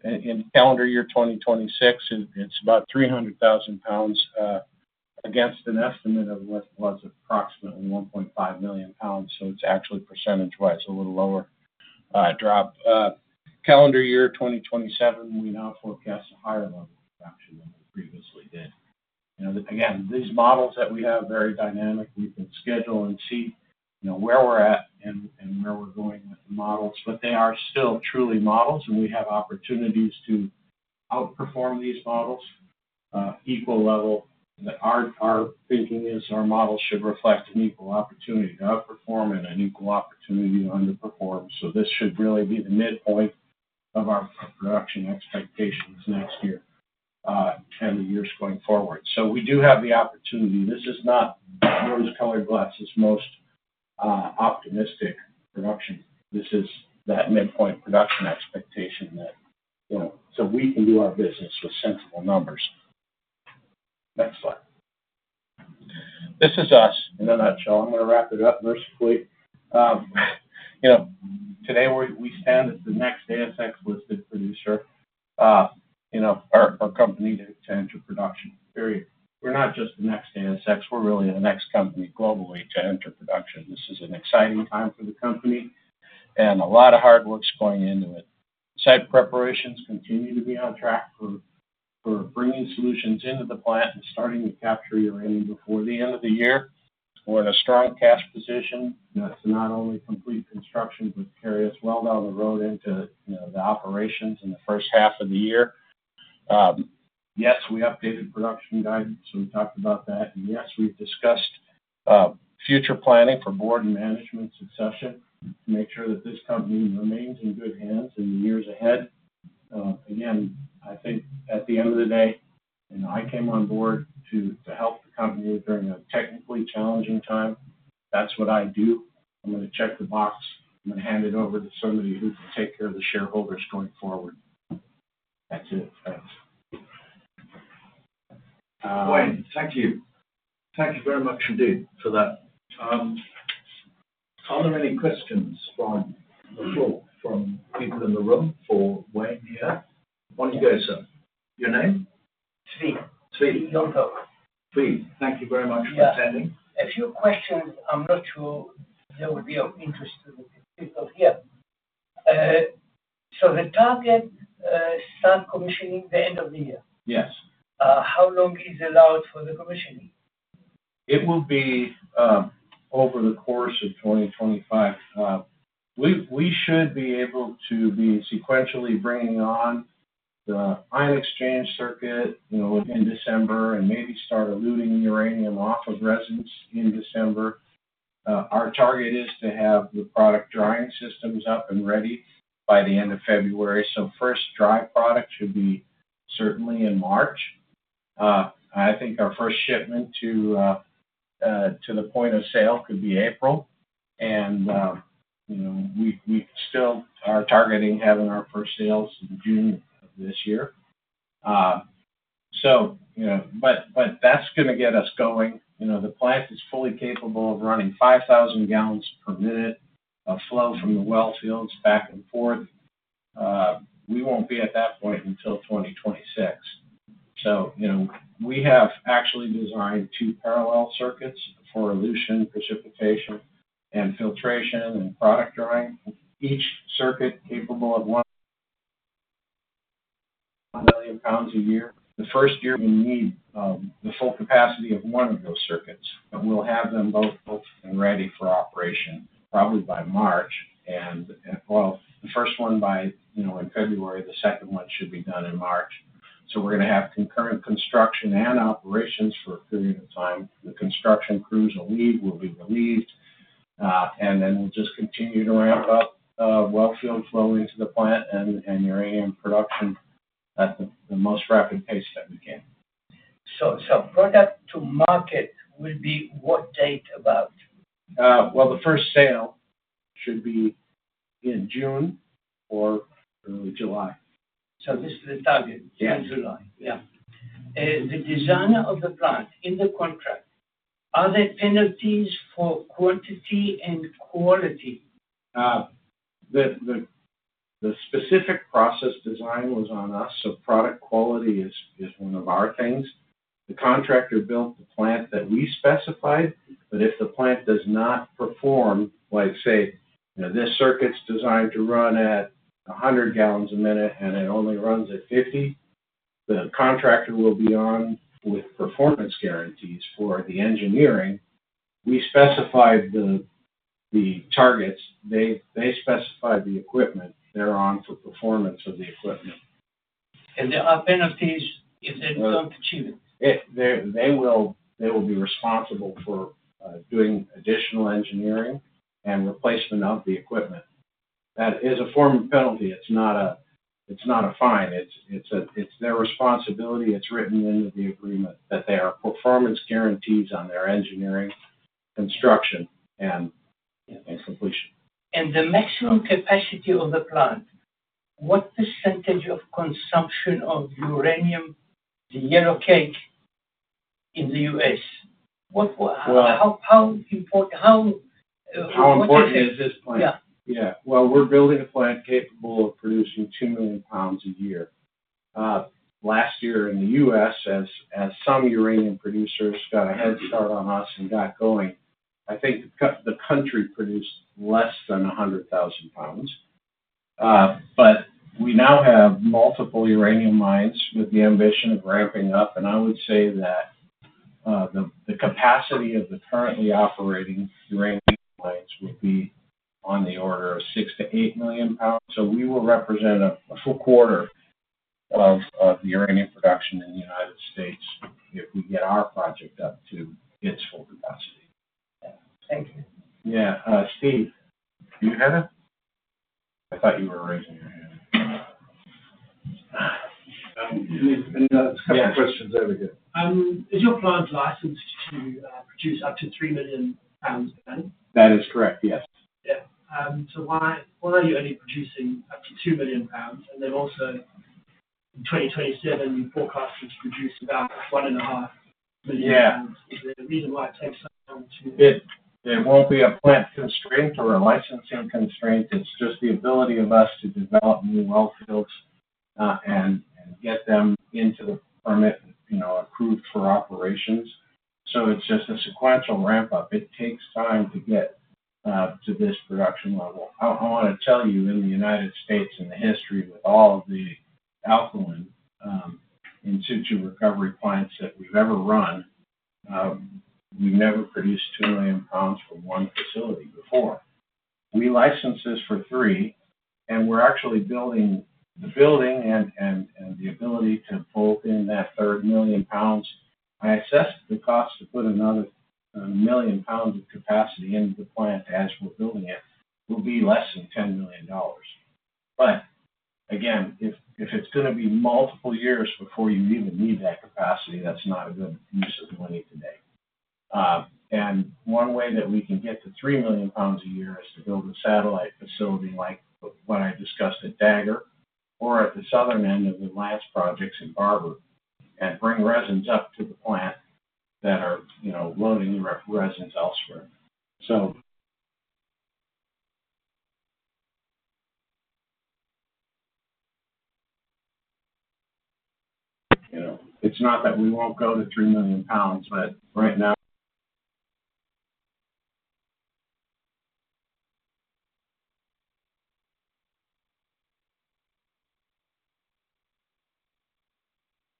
In calendar year 2026, it's about 300,000 lbs against an estimate of what was approximately 1.5 million lbs. So it's actually percentage-wise a little lower drop. Calendar year 2027, we now forecast a higher level of production than we previously did. Again, these models that we have are very dynamic. We can schedule and see where we're at and where we're going with the models. But they are still truly models, and we have opportunities to outperform these models equal level. Our thinking is our models should reflect an equal opportunity to outperform and an equal opportunity to underperform. So this should really be the midpoint of our production expectations next year and the years going forward. So we do have the opportunity. This is not rose-colored glasses. It's most optimistic production. This is that midpoint production expectation that so we can do our business with sensible numbers. Next slide. This is us in a nutshell. I'm going to wrap it up mercifully. Today, we stand as the next ASX-listed producer, our company to enter production. We're not just the next ASX. We're really the next company globally to enter production. This is an exciting time for the company and a lot of hard work going into it. Site preparations continue to be on track for bringing solutions into the plant and starting to capture uranium before the end of the year. We're in a strong cash position to not only complete construction but carry us well down the road into the operations in the first half of the year. Yes, we updated production guidance. So we talked about that. And yes, we've discussed future planning for board and management succession to make sure that this company remains in good hands in the years ahead. Again, I think at the end of the day, I came on board to help the company during a technically challenging time. That's what I do. I'm going to check the box. I'm going to hand it over to somebody who can take care of the shareholders going forward. That's it. Thanks.
Wayne, thank you. Thank you very much indeed for that. Are there any questions from the floor, from people in the room for Wayne here? Why don't you go, sir? Your name? Steve. Steve. Steve. Thank you very much for attending. If your questions, I'm not sure there will be an interest to the people here. So the target start commissioning the end of the year?
Yes. How long is allowed for the commissioning? It will be over the course of 2025. We should be able to be sequentially bringing on the ion exchange circuit in December and maybe start eluting uranium off of resins in December. Our target is to have the product drying systems up and ready by the end of February. So first dry product should be certainly in March. I think our first shipment to the point of sale could be April. And we still are targeting having our first sales in June of this year. That’s going to get us going. The plant is fully capable of running 5,000 gallons per minute of flow from the wellfields back and forth. We won't be at that point until 2026. We have actually designed two parallel circuits for elution, precipitation, and filtration and product drying. Each circuit capable of 1 million pounds a year. The first year we need the full capacity of one of those circuits. We'll have them both ready for operation probably by March. Well, the first one by February. The second one should be done in March. We're going to have concurrent construction and operations for a period of time. The construction crews will leave, will be relieved. Then we'll just continue to ramp up wellfield flow into the plant and uranium production at the most rapid pace that we can. So, product to market will be what date about? Well, the first sale should be in June or early July. So this is the target, June and July. Yeah. The design of the plant in the contract, are there penalties for quantity and quality? The specific process design was on us. So product quality is one of our things. The contractor built the plant that we specified. But if the plant does not perform, like say, this circuit's designed to run at 100 gallons a minute and it only runs at 50, the contractor will be on with performance guarantees for the engineering. We specified the targets. They specified the equipment they're on for performance of the equipment. And the penalties if they don't achieve it? They will be responsible for doing additional engineering and replacement of the equipment. That is a form of penalty. It's not a fine. It's their responsibility. It's written into the agreement that there are performance guarantees on their engineering, construction, and completion. And the maximum capacity of the plant, what percentage of consumption of uranium, the yellowcake in the U.S.? How important is this plant? Yeah. Well, we're building a plant capable of producing 2 million pounds a year. Last year, in the U.S., as some uranium producers got a head start on us and got going, I think the country produced less than 100,000 pounds. But we now have multiple uranium mines with the ambition of ramping up. And I would say that the capacity of the currently operating uranium mines would be on the order of 6 to 8 million pounds. So we will represent a full quarter of the uranium production in the United States if we get our project up to its full capacity. Thank you. Yeah. Steve. You, Heather? I thought you were raising your hand. Any other questions over here? Is your plant licensed to produce up to 3 million pounds a day? That is correct. Yes. Yeah. So why are you only producing up to 2 million pounds? And then also, in 2027, you forecast to produce about 1.5 million pounds. Is there a reason why it takes so long to?
It won't be a plant constraint or a licensing constraint. It's just the ability of us to develop new wellfields and get them into the permit approved for operations. So it's just a sequential ramp-up. It takes time to get to this production level. I want to tell you, in the United States, in the history with all of the alkaline in-situ recovery plants that we've ever run, we've never produced 2 million pounds for one facility before. We licensed this for three, and we're actually building the building and the ability to pull in that third million pounds. I assessed the cost to put another million pounds of capacity into the plant as we're building it will be less than $10 million. But again, if it's going to be multiple years before you even need that capacity, that's not a good use of money today. And one way that we can get to 3 million pounds a year is to build a satellite facility like what I discussed at Dagger or at the southern end of the Lance Projects in Barber and bring resins up to the plant that are loading the resins elsewhere. So it's not that we won't go to 3 million pounds, but right now.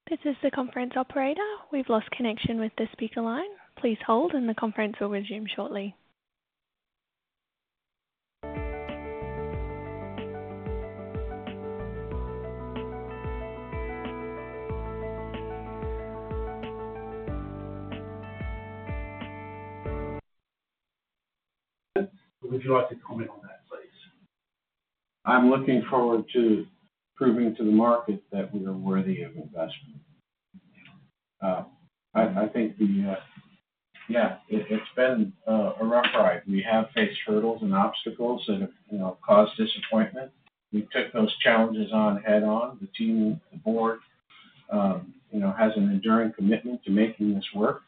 This is the conference operator. We've lost connection with the speaker line. Please hold, and the conference will resume shortly. Would you like to comment on that, please?
I'm looking forward to proving to the market that we are worthy of investment. I think the, yeah, it's been a rough ride. We have faced hurdles and obstacles that have caused disappointment. We took those challenges on head-on. The team, the board, has an enduring commitment to making this work.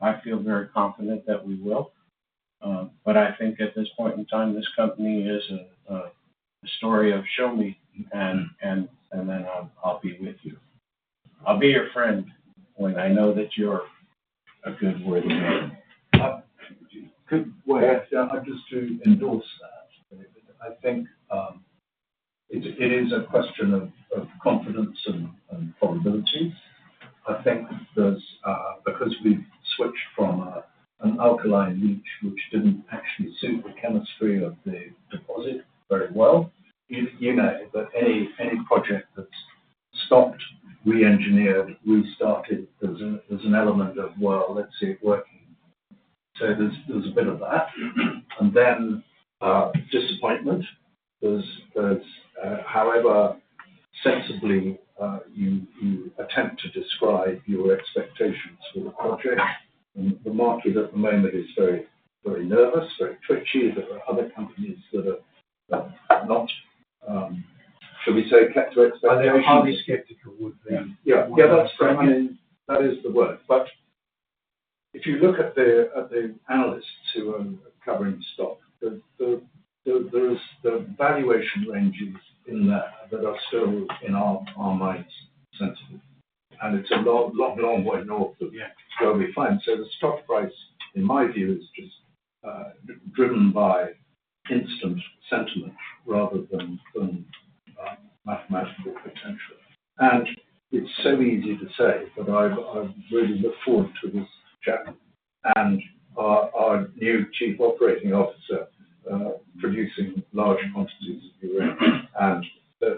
I feel very confident that we will. But I think at this point in time, this company is a story of show me, and then I'll be with you. I'll be your friend when I know that you're a good, worthy man. Could I just endorse that? I think it is a question of confidence and probability. I think because we've switched from an alkaline leach, which didn't actually suit the chemistry of the deposit very well. But any project that's stopped, re-engineered, restarted, there's an element of, well, let's see it working. So there's a bit of that. And then disappointment. However sensibly you attempt to describe your expectations for the project, the market at the moment is very nervous, very twitchy. There are other companies that are not, shall we say, kept to expectations. I'm the only skeptical would be. Yeah. Yeah, that's fair. I mean, that is the word. But if you look at the analysts who are covering the stock, the valuation ranges in there that are still in our minds sensitive. And it's a long way north of where we find. So the stock price, in my view, is just driven by instant sentiment rather than mathematical potential. And it's so easy to say, but I really look forward to this. Check. And our new Chief Operating Officer producing large quantities of uranium. And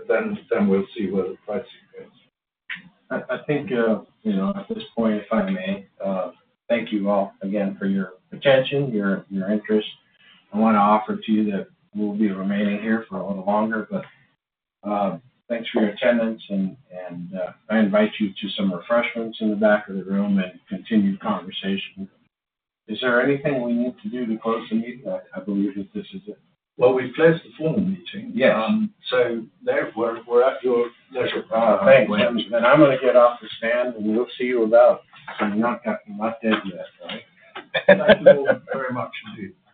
then we'll see where the pricing goes. I think at this point, if I may, thank you all again for your attention, your interest. I want to offer to you that we'll be remaining here for a little longer. But thanks for your attendance. And I invite you to some refreshments in the back of the room and continue conversation. Is there anything we need to do to close the meeting? I believe that this is it. Well, we've closed the full meeting. Yes. So we're at your leisure.
Thanks, gentlemen. I'm going to get off the stand, and we'll see you about.
So you're not dead yet, right? Thank you very much indeed.